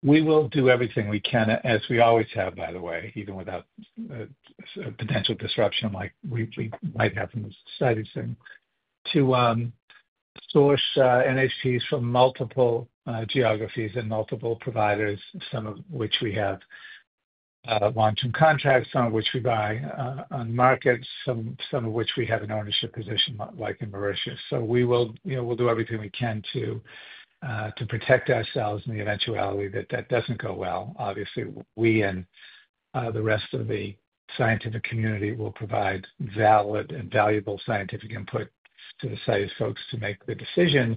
We will do everything we can, as we always have, by the way, even without potential disruption like we might have from the CITES thing, to source NHPs from multiple geographies and multiple providers, some of which we have long-term contracts, some of which we buy on markets, some of which we have an ownership position like in Mauritius. So we'll do everything we can to protect ourselves in the eventuality that that doesn't go well. Obviously, we and the rest of the scientific community will provide valid and valuable scientific input to the CITES folks to make the decision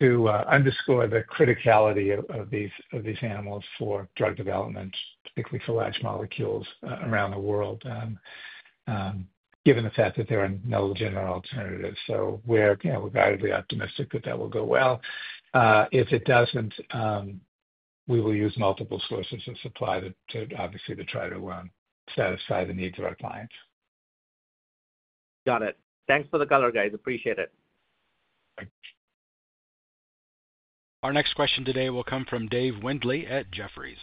to underscore the criticality of these animals for drug development, particularly for large molecules around the world, given the fact that there are no general alternatives. So we're guidedly optimistic that that will go well. If it doesn't, we will use multiple sources of supply to obviously try to satisfy the needs of our clients. Got it. Thanks for the color, guys. Appreciate it. Our next question today will come from Dave Windley at Jefferies.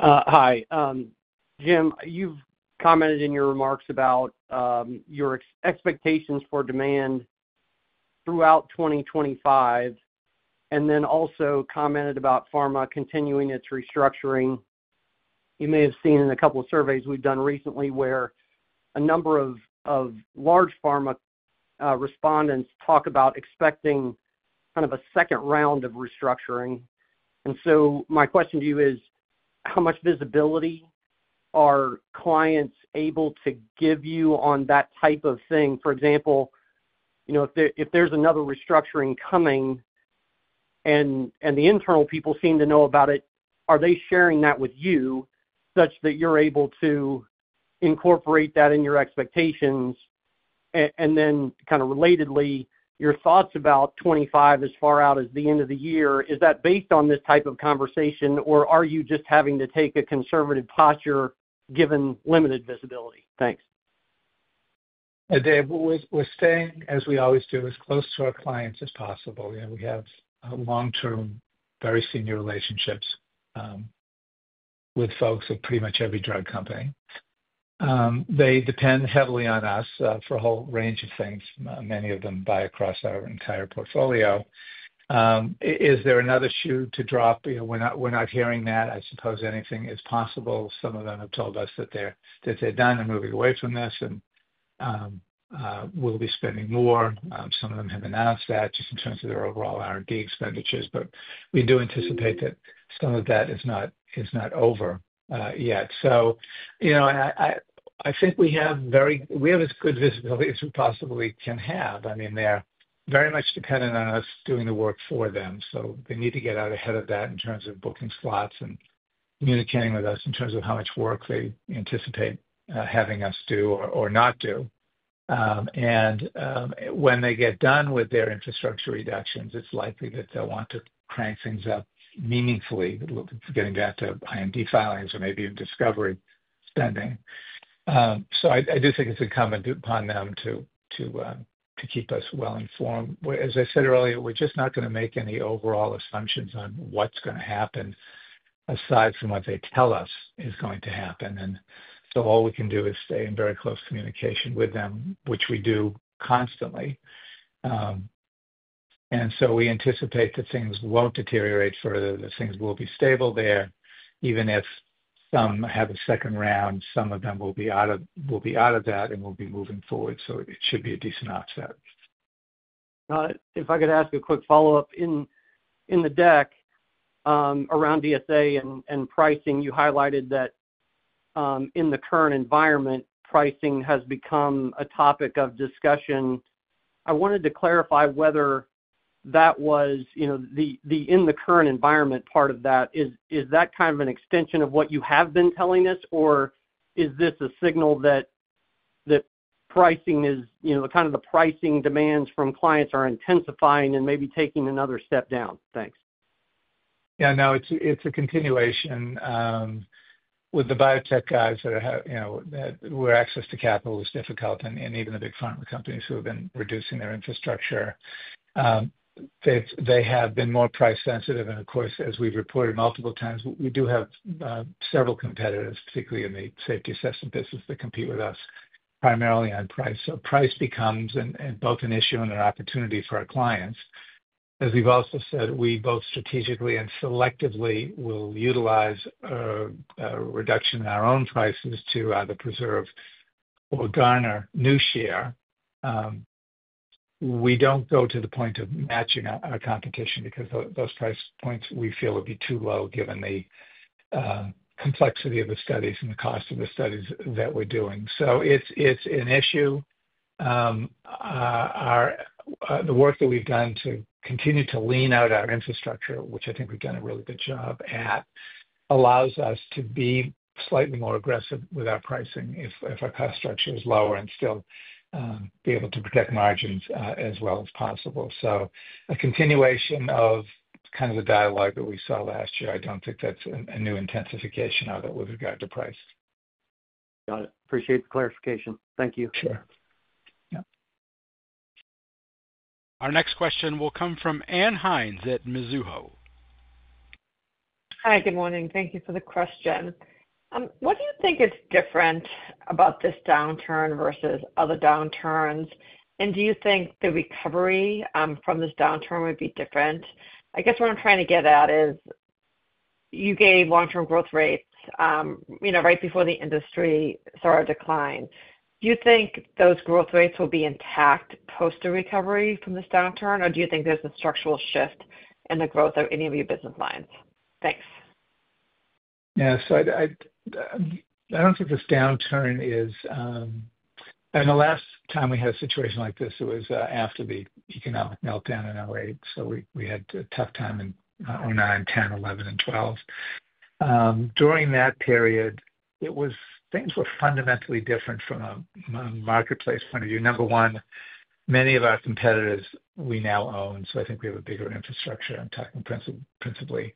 Hi. Jim, you've commented in your remarks about your expectations for demand throughout 2025 and then also commented about pharma continuing its restructuring. You may have seen in a couple of surveys we've done recently where a number of large pharma respondents talk about expecting kind of a second round of restructuring. And so my question to you is, how much visibility are clients able to give you on that type of thing? For example, if there's another restructuring coming and the internal people seem to know about it, are they sharing that with you such that you're able to incorporate that in your expectations? And then kind of relatedly, your thoughts about 2025 as far out as the end of the year, is that based on this type of conversation, or are you just having to take a conservative posture given limited visibility? Thanks. Dave, we're staying, as we always do, as close to our clients as possible. We have long-term, very senior relationships with folks at pretty much every drug company. They depend heavily on us for a whole range of things, many of them buy across our entire portfolio. Is there another shoe to drop? We're not hearing that. I suppose anything is possible. Some of them have told us that they're done and moving away from this and will be spending more. Some of them have announced that just in terms of their overall R&D expenditures. But we do anticipate that some of that is not over yet. I think we have as good visibility as we possibly can have. I mean, they're very much dependent on us doing the work for them. So they need to get out ahead of that in terms of booking slots and communicating with us in terms of how much work they anticipate having us do or not do. And when they get done with their infrastructure reductions, it's likely that they'll want to crank things up meaningfully, getting back to IND filings or maybe even discovery spending. I do think it's incumbent upon them to keep us well informed. As I said earlier, we're just not going to make any overall assumptions on what's going to happen aside from what they tell us is going to happen, and so all we can do is stay in very close communication with them, which we do constantly, and so we anticipate that things won't deteriorate further, that things will be stable there. Even if some have a second round, some of them will be out of that and will be moving forward, so it should be a decent offset. If I could ask a quick follow-up in the deck around DSA and pricing, you highlighted that in the current environment, pricing has become a topic of discussion. I wanted to clarify whether that was the in-the-current environment part of that. Is that kind of an extension of what you have been telling us, or is this a signal that pricing is kind of the pricing demands from clients are intensifying and maybe taking another step down? Thanks. Yeah. No, it's a continuation with the biotech guys where access to capital is difficult, and even the big pharma companies, who have been reducing their infrastructure, have been more price-sensitive. And of course, as we've reported multiple times, we do have several competitors, particularly in the Safety Assessment business, that compete with us primarily on price. So price becomes both an issue and an opportunity for our clients. As we've also said, we both strategically and selectively will utilize a reduction in our own prices to either preserve or garner new share. We don't go to the point of matching our competition because those price points we feel would be too low given the complexity of the studies and the cost of the studies that we're doing. So it's an issue. The work that we've done to continue to lean out our infrastructure, which I think we've done a really good job at, allows us to be slightly more aggressive with our pricing if our cost structure is lower and still be able to protect margins as well as possible. So a continuation of kind of the dialogue that we saw last year. I don't think that's a new intensification of it with regard to price. Got it. Appreciate the clarification. Thank you. Sure. Yeah. Our next question will come from Ann Hynes at Mizuho. Hi. Good morning. Thank you for the question. What do you think is different about this downturn versus other downturns? And do you think the recovery from this downturn would be different? I guess what I'm trying to get at is you gave long-term growth rates right before the industry saw a decline. Do you think those growth rates will be intact post a recovery from this downturn, or do you think there's a structural shift in the growth of any of your business lines? Thanks. Yeah. So I don't think this downturn is and the last time we had a situation like this, it was after the economic meltdown in 2008. So we had a tough time in 2009, 2010, 2011, and 2012. During that period, things were fundamentally different from a marketplace point of view. Number one, many of our competitors we now own, so I think we have a bigger infrastructure. I'm talking principally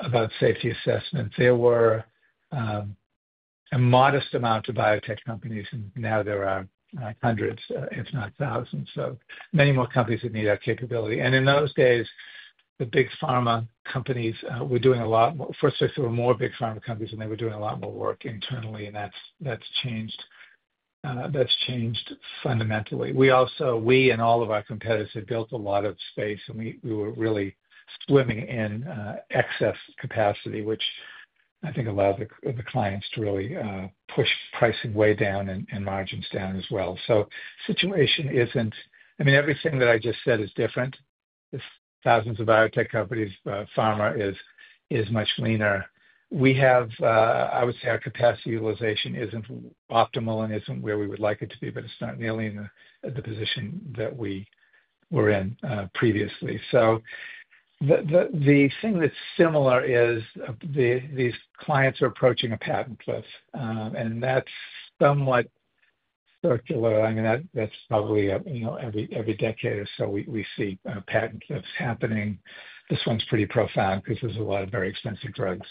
about Safety Assessments. There were a modest amount of biotech companies, and now there are hundreds, if not thousands, so many more companies that need our capability. And in those days, the big pharma companies were doing a lot more first, they were more big pharma companies, and they were doing a lot more work internally, and that's changed fundamentally. We and all of our competitors had built a lot of space, and we were really swimming in excess capacity, which I think allowed the clients to really push pricing way down and margins down as well. So the situation isn't I mean, everything that I just said is different. Thousands of biotech companies, pharma is much leaner. I would say our capacity utilization isn't optimal and isn't where we would like it to be, but it's not nearly in the position that we were in previously. So the thing that's similar is these clients are approaching a patent cliff, and that's somewhat circular. I mean, that's probably every decade or so we see patent cliffs happening. This one's pretty profound because there's a lot of very expensive drugs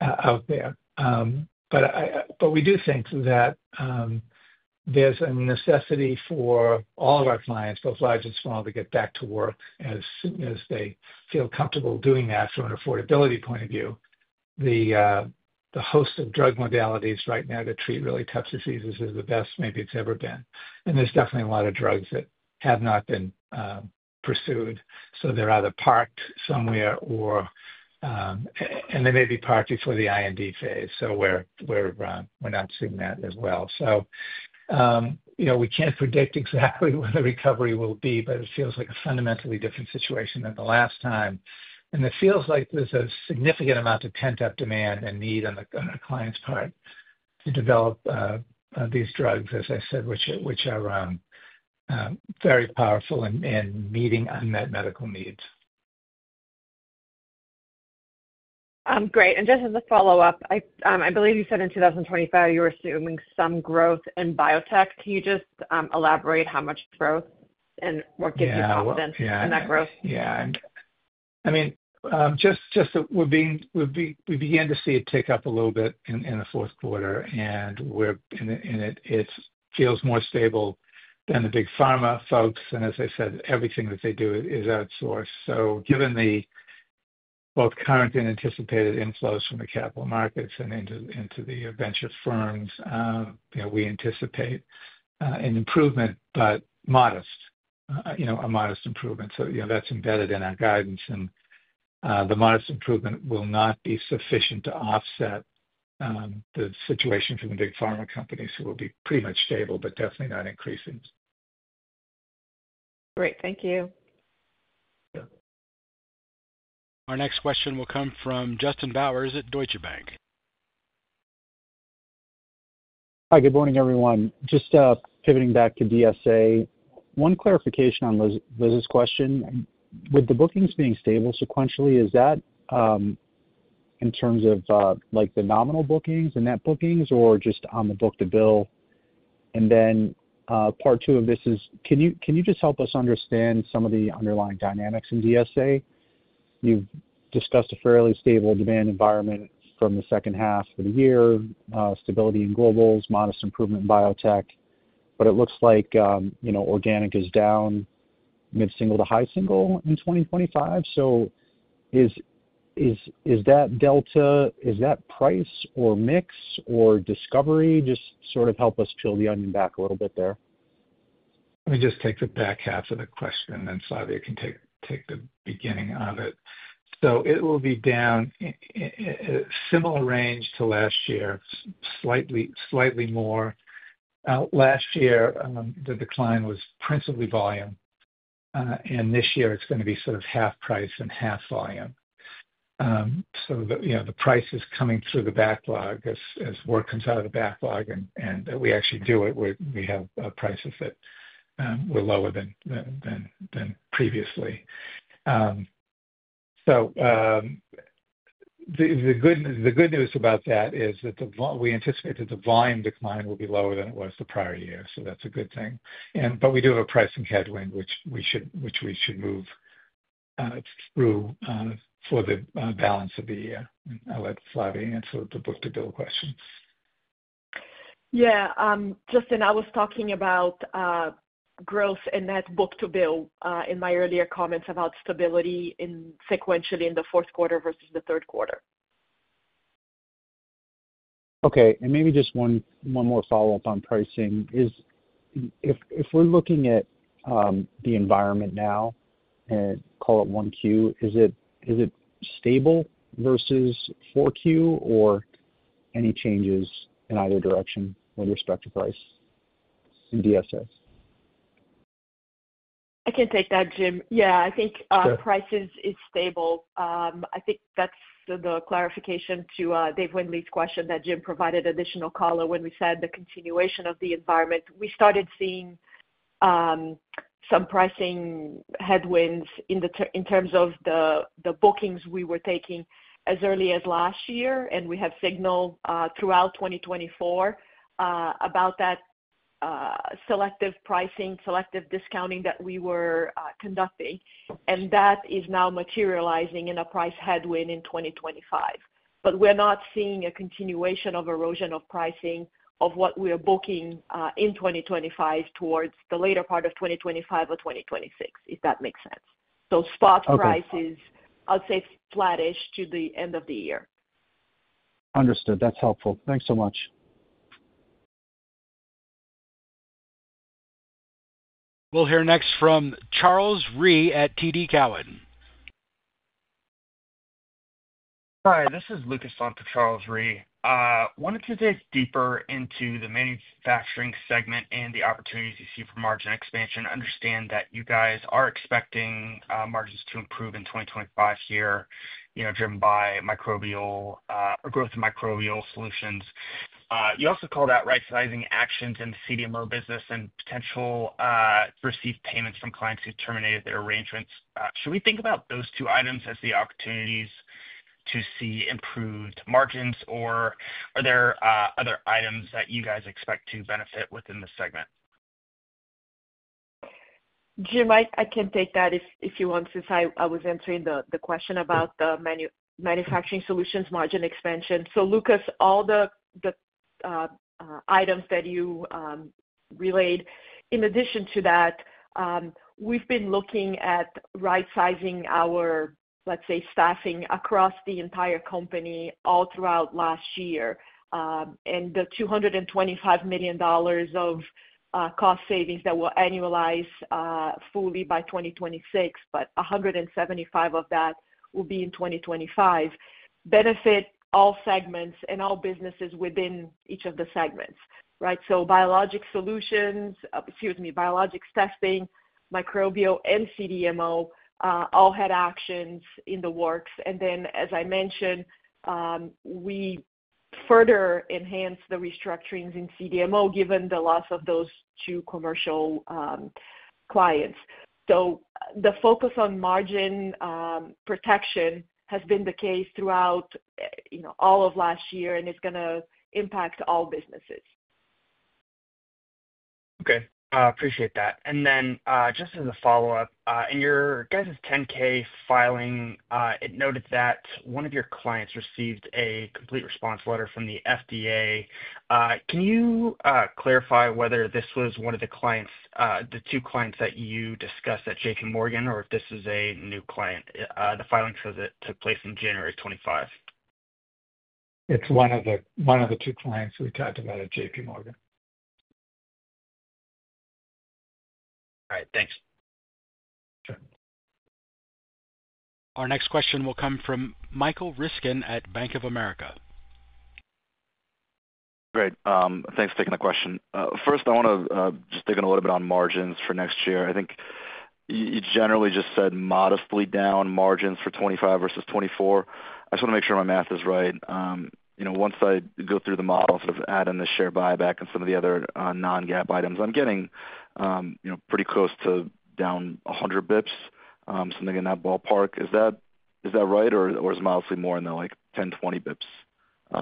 out there. But we do think that there's a necessity for all of our clients, both large and small, to get back to work as soon as they feel comfortable doing that from an affordability point of view. A host of drug modalities right now to treat really tough diseases is the best maybe it's ever been. And there's definitely a lot of drugs that have not been pursued. So they're either parked somewhere, and they may be parked before the IND phase. So we're not seeing that as well. So we can't predict exactly where the recovery will be, but it feels like a fundamentally different situation than the last time. And it feels like there's a significant amount of pent-up demand and need on our clients' part to develop these drugs, as I said, which are very powerful in meeting unmet medical needs. Great. And just as a follow-up, I believe you said in 2025 you were assuming some growth in biotech. Can you just elaborate how much growth and what gives you confidence in that growth? Yeah. I mean, just we began to see it tick up a little bit in the fourth quarter, and it feels more stable than the big pharma folks. And as I said, everything that they do is outsourced. Given the both current and anticipated inflows from the capital markets and into the venture firms, we anticipate an improvement, but modest, a modest improvement. That's embedded in our guidance. The modest improvement will not be sufficient to offset the situation from the big pharma companies. It will be pretty much stable, but definitely not increasing. Great. Thank you. Our next question will come from Justin Bowers at Deutsche Bank. Hi. Good morning, everyone. Just pivoting back to DSA, one clarification on Liz's question. With the bookings being stable sequentially, is that in terms of the nominal bookings and net bookings or just on the book-to-bill? Part two of this is, can you just help us understand some of the underlying dynamics in DSA? You've discussed a fairly stable demand environment from the second half of the year, stability in globals, modest improvement in biotech, but it looks like organic is down mid-single to high single in 2025. So is that delta, is that price or mix or discovery just sort of help us peel the onion back a little bit there? Let me just take the back half of the question, and then Flavia can take the beginning of it. So it will be down a similar range to last year, slightly more. Last year, the decline was principally volume, and this year it's going to be sort of half price and half volume. So the price is coming through the backlog as work comes out of the backlog, and we actually do it where we have prices that were lower than previously. So the good news about that is that we anticipate that the volume decline will be lower than it was the prior year. So that's a good thing. But we do have a pricing headwind, which we should move through for the balance of the year. I'll let Flavia answer the book-to-bill question. Yeah. Justin, I was talking about growth and that book-to-bill in my earlier comments about stability sequentially in the fourth quarter versus the third quarter. Okay. And maybe just one more follow-up on pricing. If we're looking at the environment now, call it Q1, is it stable versus Q4 or any changes in either direction with respect to price in DSA? I can take that, Jim. Yeah. I think price is stable. I think that's the clarification to Dave Windley's question that Jim provided additional color when we said the continuation of the environment. We started seeing some pricing headwinds in terms of the bookings we were taking as early as last year, and we have signal throughout 2024 about that selective pricing, selective discounting that we were conducting. And that is now materializing in a price headwind in 2025. But we're not seeing a continuation of erosion of pricing of what we are booking in 2025 towards the later part of 2025 or 2026, if that makes sense. So spot prices, I'll say, flattish to the end of the year. Understood. That's helpful. Thanks so much. We'll hear next from Charles Rhyee at TD Cowen. Hi. This is Lucas on for Charles Rhyee. Wanted to dig deeper into the Manufacturing segment and the opportunities you see for margin expansion, understand that you guys are expecting margins to improve in 2025 here driven by Microbial or growth of Microbial Solutions. You also call that right-sizing actions in the CDMO business and potential to receive payments from clients who terminated their arrangements. Should we think about those two items as the opportunities to see improved margins, or are there other items that you guys expect to benefit within the segment? Jim, I can take that if you want since I was answering the question about the Manufacturing Solutions margin expansion. So Lucas, all the items that you relayed, in addition to that, we've been looking at right-sizing our, let's say, staffing across the entire company all throughout last year. And the $225 million of cost savings that will annualize fully by 2026, but 175 of that will be in 2025, benefit all segments and all businesses within each of the segments, right? So Biologic Solutions, excuse me, Biologics Testing, Microbial, and CDMO all had actions in the works. And then, as I mentioned, we further enhanced the restructurings in CDMO given the loss of those two commercial clients. So the focus on margin protection has been the case throughout all of last year, and it's going to impact all businesses. Okay. Appreciate that. And then just as a follow-up, in your guys' 10-K filing, it noted that one of your clients received a Complete Response Letter from the FDA. Can you clarify whether this was one of the two clients that you discussed at JPMorgan or if this is a new client? The filing says it took place in January 2025. It's one of the two clients we talked about at JPMorgan. All right. Thanks. Our next question will come from Michael Ryskin at Bank of America. Great. Thanks for taking the question. First, I want to just dig in a little bit on margins for next year. I think you generally just said modestly down margins for 2025 versus 2024. I just want to make sure my math is right. Once I go through the model and sort of add in the share buyback and some of the other non-GAAP items, I'm getting pretty close to down 100 basis points, something in that ballpark. Is that right, or is it modestly more in the 10, 20 basis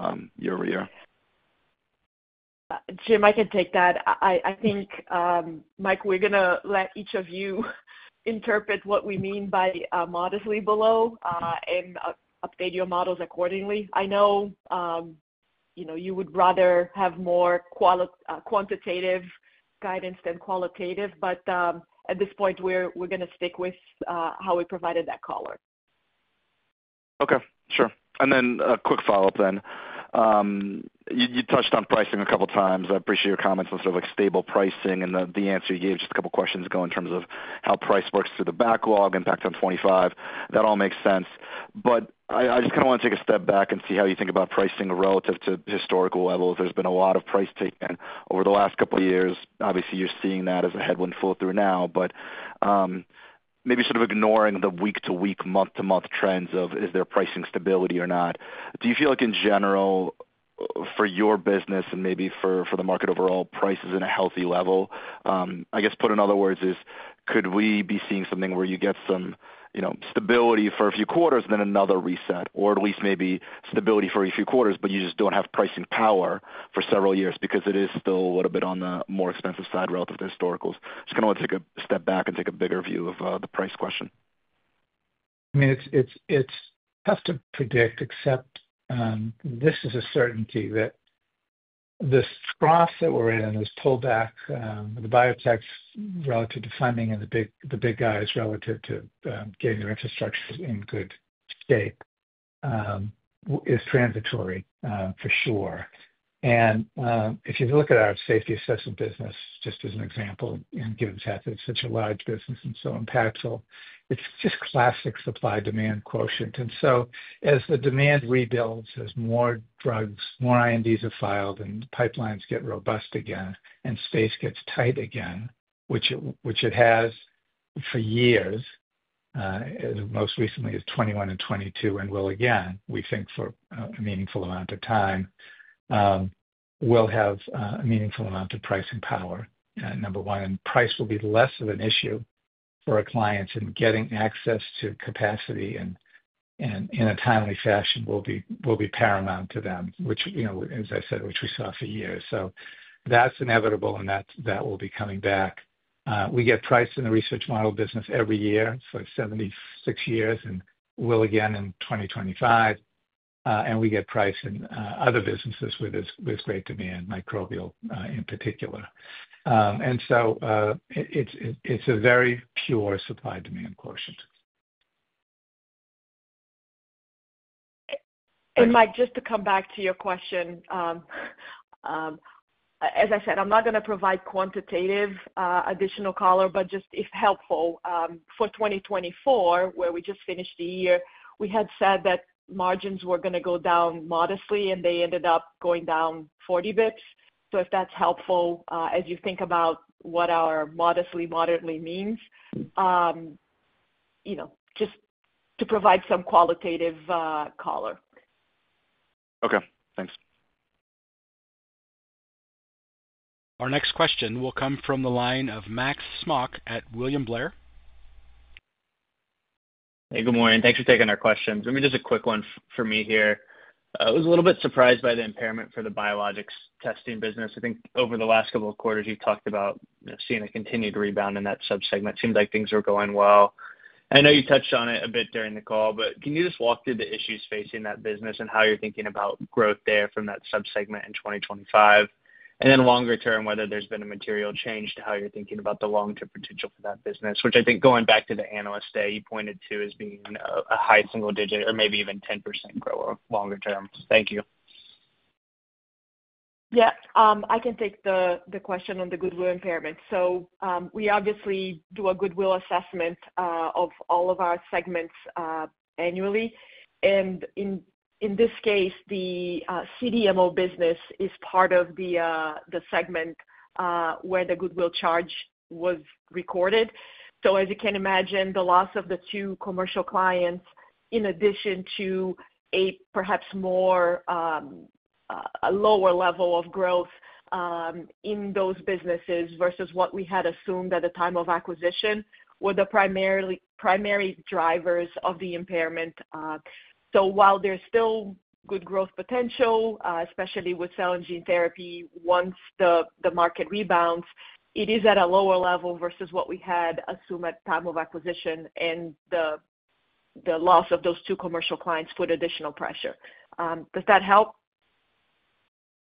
points year over year? Jim, I can take that. I think, Mike, we're going to let each of you interpret what we mean by modestly below and update your models accordingly. I know you would rather have more quantitative guidance than qualitative, but at this point, we're going to stick with how we provided that color. Okay. Sure. And then a quick follow-up then. You touched on pricing a couple of times. I appreciate your comments on sort of stable pricing, and the answer you gave just a couple of questions ago in terms of how price works through the backlog, impact on '25. That all makes sense. But I just kind of want to take a step back and see how you think about pricing relative to historical levels. There's been a lot of price taking over the last couple of years. Obviously, you're seeing that as a headwind flow through now, but maybe sort of ignoring the week-to-week, month-to-month trends of is there pricing stability or not. Do you feel like, in general, for your business and maybe for the market overall, price is in a healthy level? I guess put in other words is, could we be seeing something where you get some stability for a few quarters and then another reset, or at least maybe stability for a few quarters, but you just don't have pricing power for several years because it is still a little bit on the more expensive side relative to historicals? Just kind of want to take a step back and take a bigger view of the price question. I mean, it's tough to predict, except this is a certainty that this cross that we're in and this pullback, the biotechs relative to funding and the big guys relative to getting their infrastructures in good shape is transitory for sure, and if you look at our Safety Assessment business, just as an example, and given the fact that it's such a large business and so impactful, it's just classic supply-demand quotient. And so as the demand rebuilds, there's more drugs, more INDs are filed, and pipelines get robust again, and space gets tight again, which it has for years, most recently is 2021 and 2022, and will again, we think, for a meaningful amount of time, will have a meaningful amount of pricing power, number one. And price will be less of an issue for our clients in getting access to capacity in a timely fashion will be paramount to them, as I said, which we saw for years. So that's inevitable, and that will be coming back. We get price in the Research Model business every year, so 76 years, and will again in 2025. And we get price in other businesses with great demand, Microbial in particular. And so it's a very pure supply-demand quotient. And Mike, just to come back to your question, as I said, I'm not going to provide quantitative additional color, but just if helpful, for 2024, where we just finished the year, we had said that margins were going to go down modestly, and they ended up going down 40 basis points. So if that's helpful as you think about what our modestly, moderately means, just to provide some qualitative color. Okay. Thanks. Our next question will come from the line of Max Smock at William Blair. Hey, good morning. Thanks for taking our questions. Let me just a quick one for me here. I was a little bit surprised by the impairment for the Biologics Testing business. I think over the last couple of quarters, you talked about seeing a continued rebound in that subsegment. It seemed like things were going well. I know you touched on it a bit during the call, but can you just walk through the issues facing that business and how you're thinking about growth there from that subsegment in 2025? And then longer term, whether there's been a material change to how you're thinking about the long-term potential for that business, which I think going back to the Analyst Day you pointed to as being a high single-digit or maybe even 10% grower longer term. Thank you. Yeah. I can take the question on the goodwill impairment. So we obviously do a goodwill assessment of all of our segments annually. And in this case, the CDMO business is part of the segment where the goodwill charge was recorded. So as you can imagine, the loss of the two commercial clients in addition to a perhaps more lower level of growth in those businesses versus what we had assumed at the time of acquisition were the primary drivers of the impairment. So while there's still good growth potential, especially with cell and gene therapy, once the market rebounds, it is at a lower level versus what we had assumed at the time of acquisition, and the loss of those two commercial clients put additional pressure. Does that help?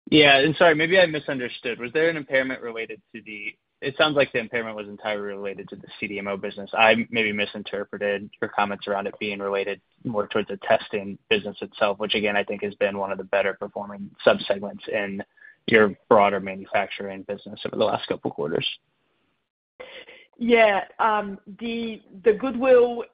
Yeah. And sorry, maybe I misunderstood. Was there an impairment related to the it sounds like the impairment was entirely related to the CDMO business. I maybe misinterpreted your comments around it being related more towards the testing business itself, which again, I think has been one of the better-performing subsegments in your broader manufacturing business over the last couple of quarters. Yeah. The goodwill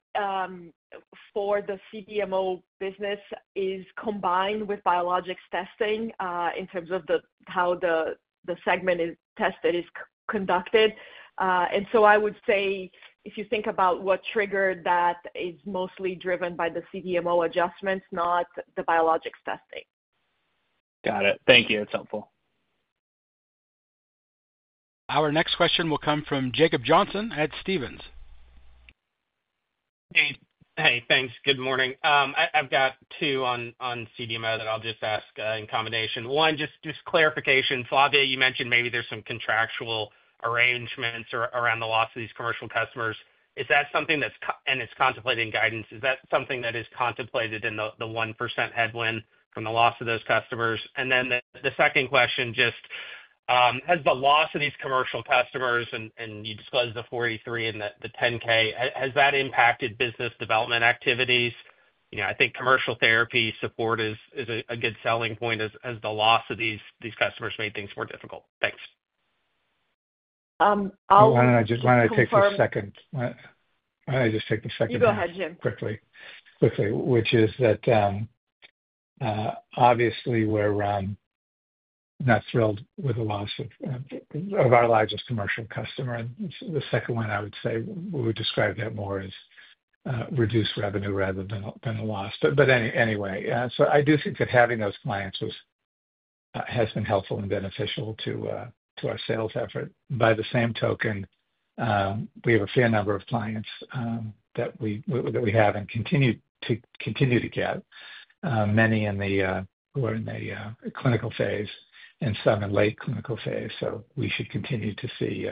for the CDMO business is combined with Biologics Testing in terms of how the segment is tested, is conducted. And so I would say if you think about what triggered that, it's mostly driven by the CDMO adjustments, not the Biologics Testing. Got it. Thank you. That's helpful. Our next question will come from Jacob Johnson at Stephens. Hey. Hey. Thanks. Good morning. I've got two on CDMO that I'll just ask in combination. One, just clarification. Flavia, you mentioned maybe there's some contractual arrangements around the loss of these commercial customers. Is that something that's, and it's contemplated in guidance. Is that something that is contemplated in the 1% headwind from the loss of those customers? And then the second question, just has the loss of these commercial customers, and you disclosed the 43 and the 10-K, has that impacted business development activities? I think commercial therapy support is a good selling point as the loss of these customers made things more difficult. Thanks. I'll just take a second. Why don't I just take a second? You go ahead, Jim. Quickly. Quickly, which is that obviously, we're not thrilled with the loss of our largest commercial customer. And the second one, I would say, we would describe that more as reduced revenue rather than a loss. But anyway, so I do think that having those clients has been helpful and beneficial to our sales effort. By the same token, we have a fair number of clients that we have and continue to get, many who are in the clinical phase and some in late clinical phase. So we should continue to see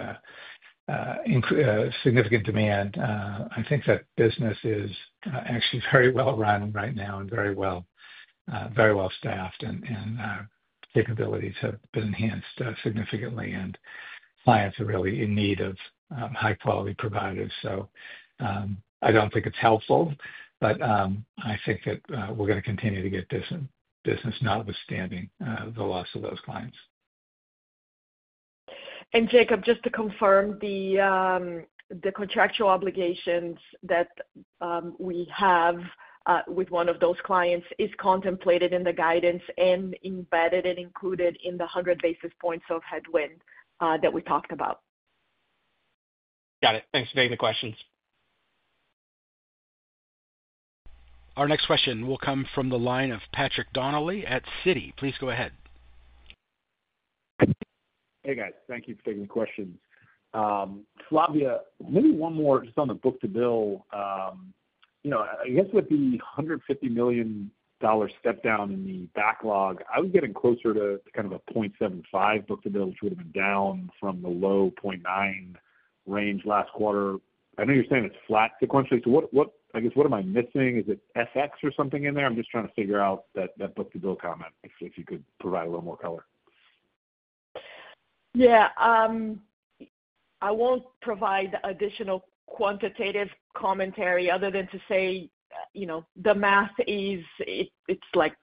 significant demand. I think that business is actually very well run right now and very well staffed, and capabilities have been enhanced significantly, and clients are really in need of high-quality providers. So I don't think it's helpful, but I think that we're going to continue to get this business, notwithstanding the loss of those clients. And Jacob, just to confirm, the contractual obligations that we have with one of those clients is contemplated in the guidance and embedded and included in the 100 basis points of headwind that we talked about. Got it. Thanks for taking the questions. Our next question will come from the line of Patrick Donnelly at Citi. Please go ahead. Hey, guys. Thank you for taking the question. Flavia, maybe one more just on the book-to-bill. I guess with the $150 million step down in the backlog, I was getting closer to kind of a 0.75 book-to-bill, which would have been down from the low 0.9 range last quarter. I know you're saying it's flat sequentially. So I guess what am I missing? Is it FX or something in there? I'm just trying to figure out that book-to-bill comment, if you could provide a little more color. Yeah. I won't provide additional quantitative commentary other than to say the math is it's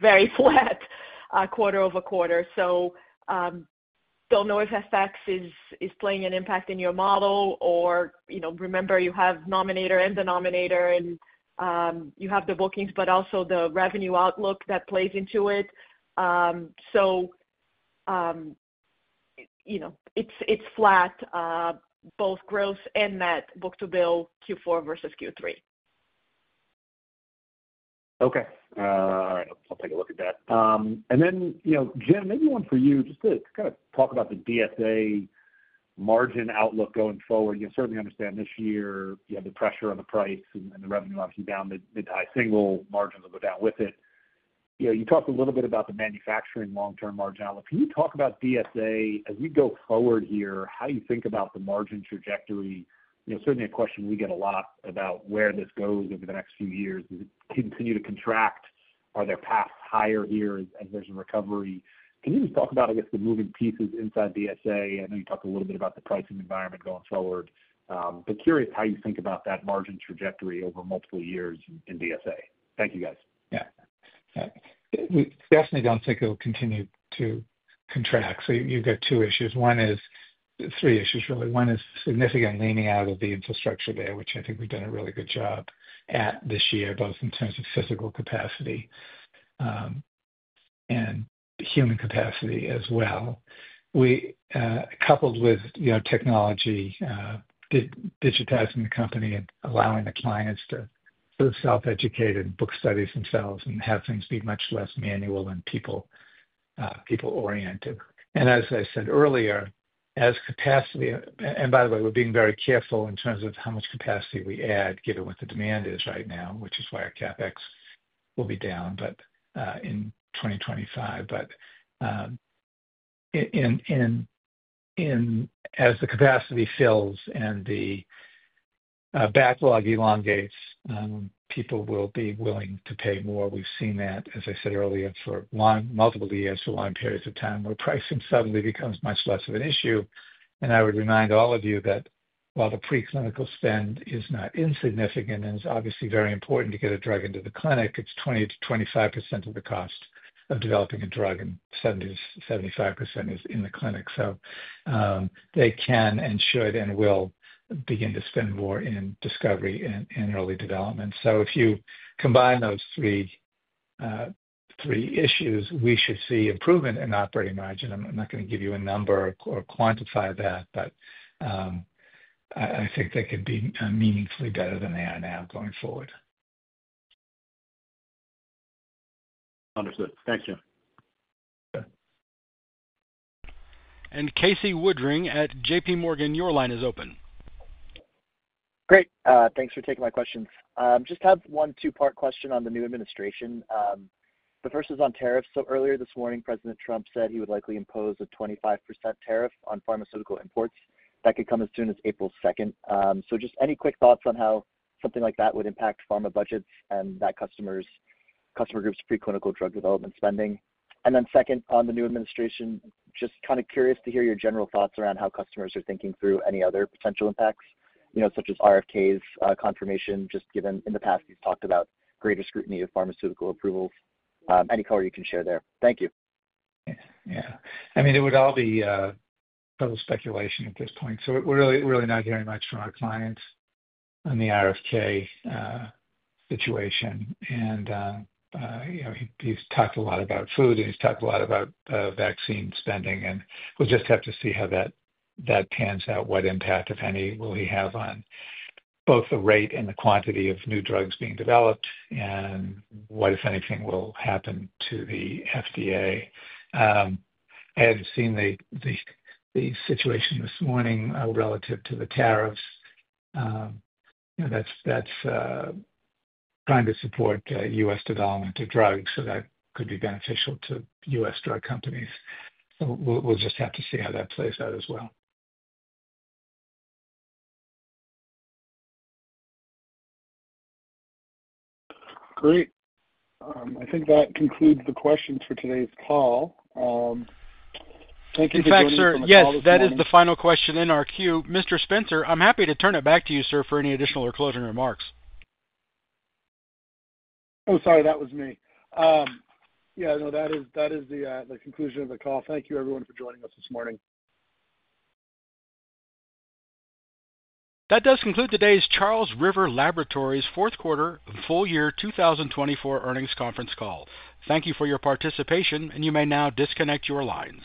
very flat, quarter-over-quarter. So don't know if FX is having an impact in your model, or remember, you have numerator and denominator, and you have the bookings, but also the revenue outlook that plays into it. So it's flat, both gross and net book-to-bill Q4 versus Q3. Okay. All right. I'll take a look at that. And then, Jim, maybe one for you, just to kind of talk about the DSA margin outlook going forward. You certainly understand this year, you have the pressure on the price and the revenue obviously down mid-to-high single. Margins will go down with it. You talked a little bit about the manufacturing long-term margin outlook. Can you talk about DSA as we go forward here, how you think about the margin trajectory? Certainly, a question we get a lot about where this goes over the next few years. Does it continue to contract? Are there paths higher here as there's a recovery? Can you just talk about, I guess, the moving pieces inside DSA? I know you talked a little bit about the pricing environment going forward, but curious how you think about that margin trajectory over multiple years in DSA. Thank you, guys. Yeah. Definitely don't think it will continue to contract. So you've got two issues. One is three issues, really. One is significant leaning out of the infrastructure there, which I think we've done a really good job at this year, both in terms of physical capacity and human capacity as well, coupled with technology, digitizing the company and allowing the clients to self-educate and book studies themselves and have things be much less manual and people-oriented, and as I said earlier, as capacity and by the way, we're being very careful in terms of how much capacity we add, given what the demand is right now, which is why our CapEx will be down in 2025. But as the capacity fills and the backlog elongates, people will be willing to pay more. We've seen that, as I said earlier, for multiple years, for long periods of time where pricing suddenly becomes much less of an issue. And I would remind all of you that while the preclinical spend is not insignificant and is obviously very important to get a drug into the clinic, it's 20%-25% of the cost of developing a drug, and 70%-75% is in the clinic. So they can and should and will begin to spend more in discovery and early development. So if you combine those three issues, we should see improvement in operating margin. I'm not going to give you a number or quantify that, but I think they could be meaningfully better than they are now going forward. Understood. Thank you. And Casey Woodring at JPMorgan, your line is open. Great. Thanks for taking my questions. Just have one two-part question on the new administration. The first is on tariffs. So earlier this morning, President Trump said he would likely impose a 25% tariff on pharmaceutical imports. That could come as soon as April 2nd. So just any quick thoughts on how something like that would impact pharma budgets and that customer group's preclinical drug development spending? And then second, on the new administration, just kind of curious to hear your general thoughts around how customers are thinking through any other potential impacts, such as RFK's confirmation, just given in the past he's talked about greater scrutiny of pharmaceutical approvals. Any color you can share there. Thank you. Yeah. I mean, it would all be total speculation at this point. So we're really not hearing much from our clients on the RFK situation. And he's talked a lot about food, and he's talked a lot about vaccine spending. And we'll just have to see how that pans out, what impact, if any, will he have on both the rate and the quantity of new drugs being developed, and what, if anything, will happen to the FDA. I had seen the situation this morning relative to the tariffs. That's trying to support U.S. development of drugs, so that could be beneficial to U.S. drug companies. So we'll just have to see how that plays out as well. Great. I think that concludes the questions for today's call. Thank you for taking the call. In fact, sir, yes, that is the final question in our queue. Mr. Spencer, I'm happy to turn it back to you, sir, for any additional or closing remarks. Oh, sorry. That was me. Yeah. No, that is the conclusion of the call. Thank you, everyone, for joining us this morning. That does conclude today's Charles River Laboratories Fourth Quarter Full Year 2024 Earnings Conference Call. Thank you for your participation, and you may now disconnect your lines.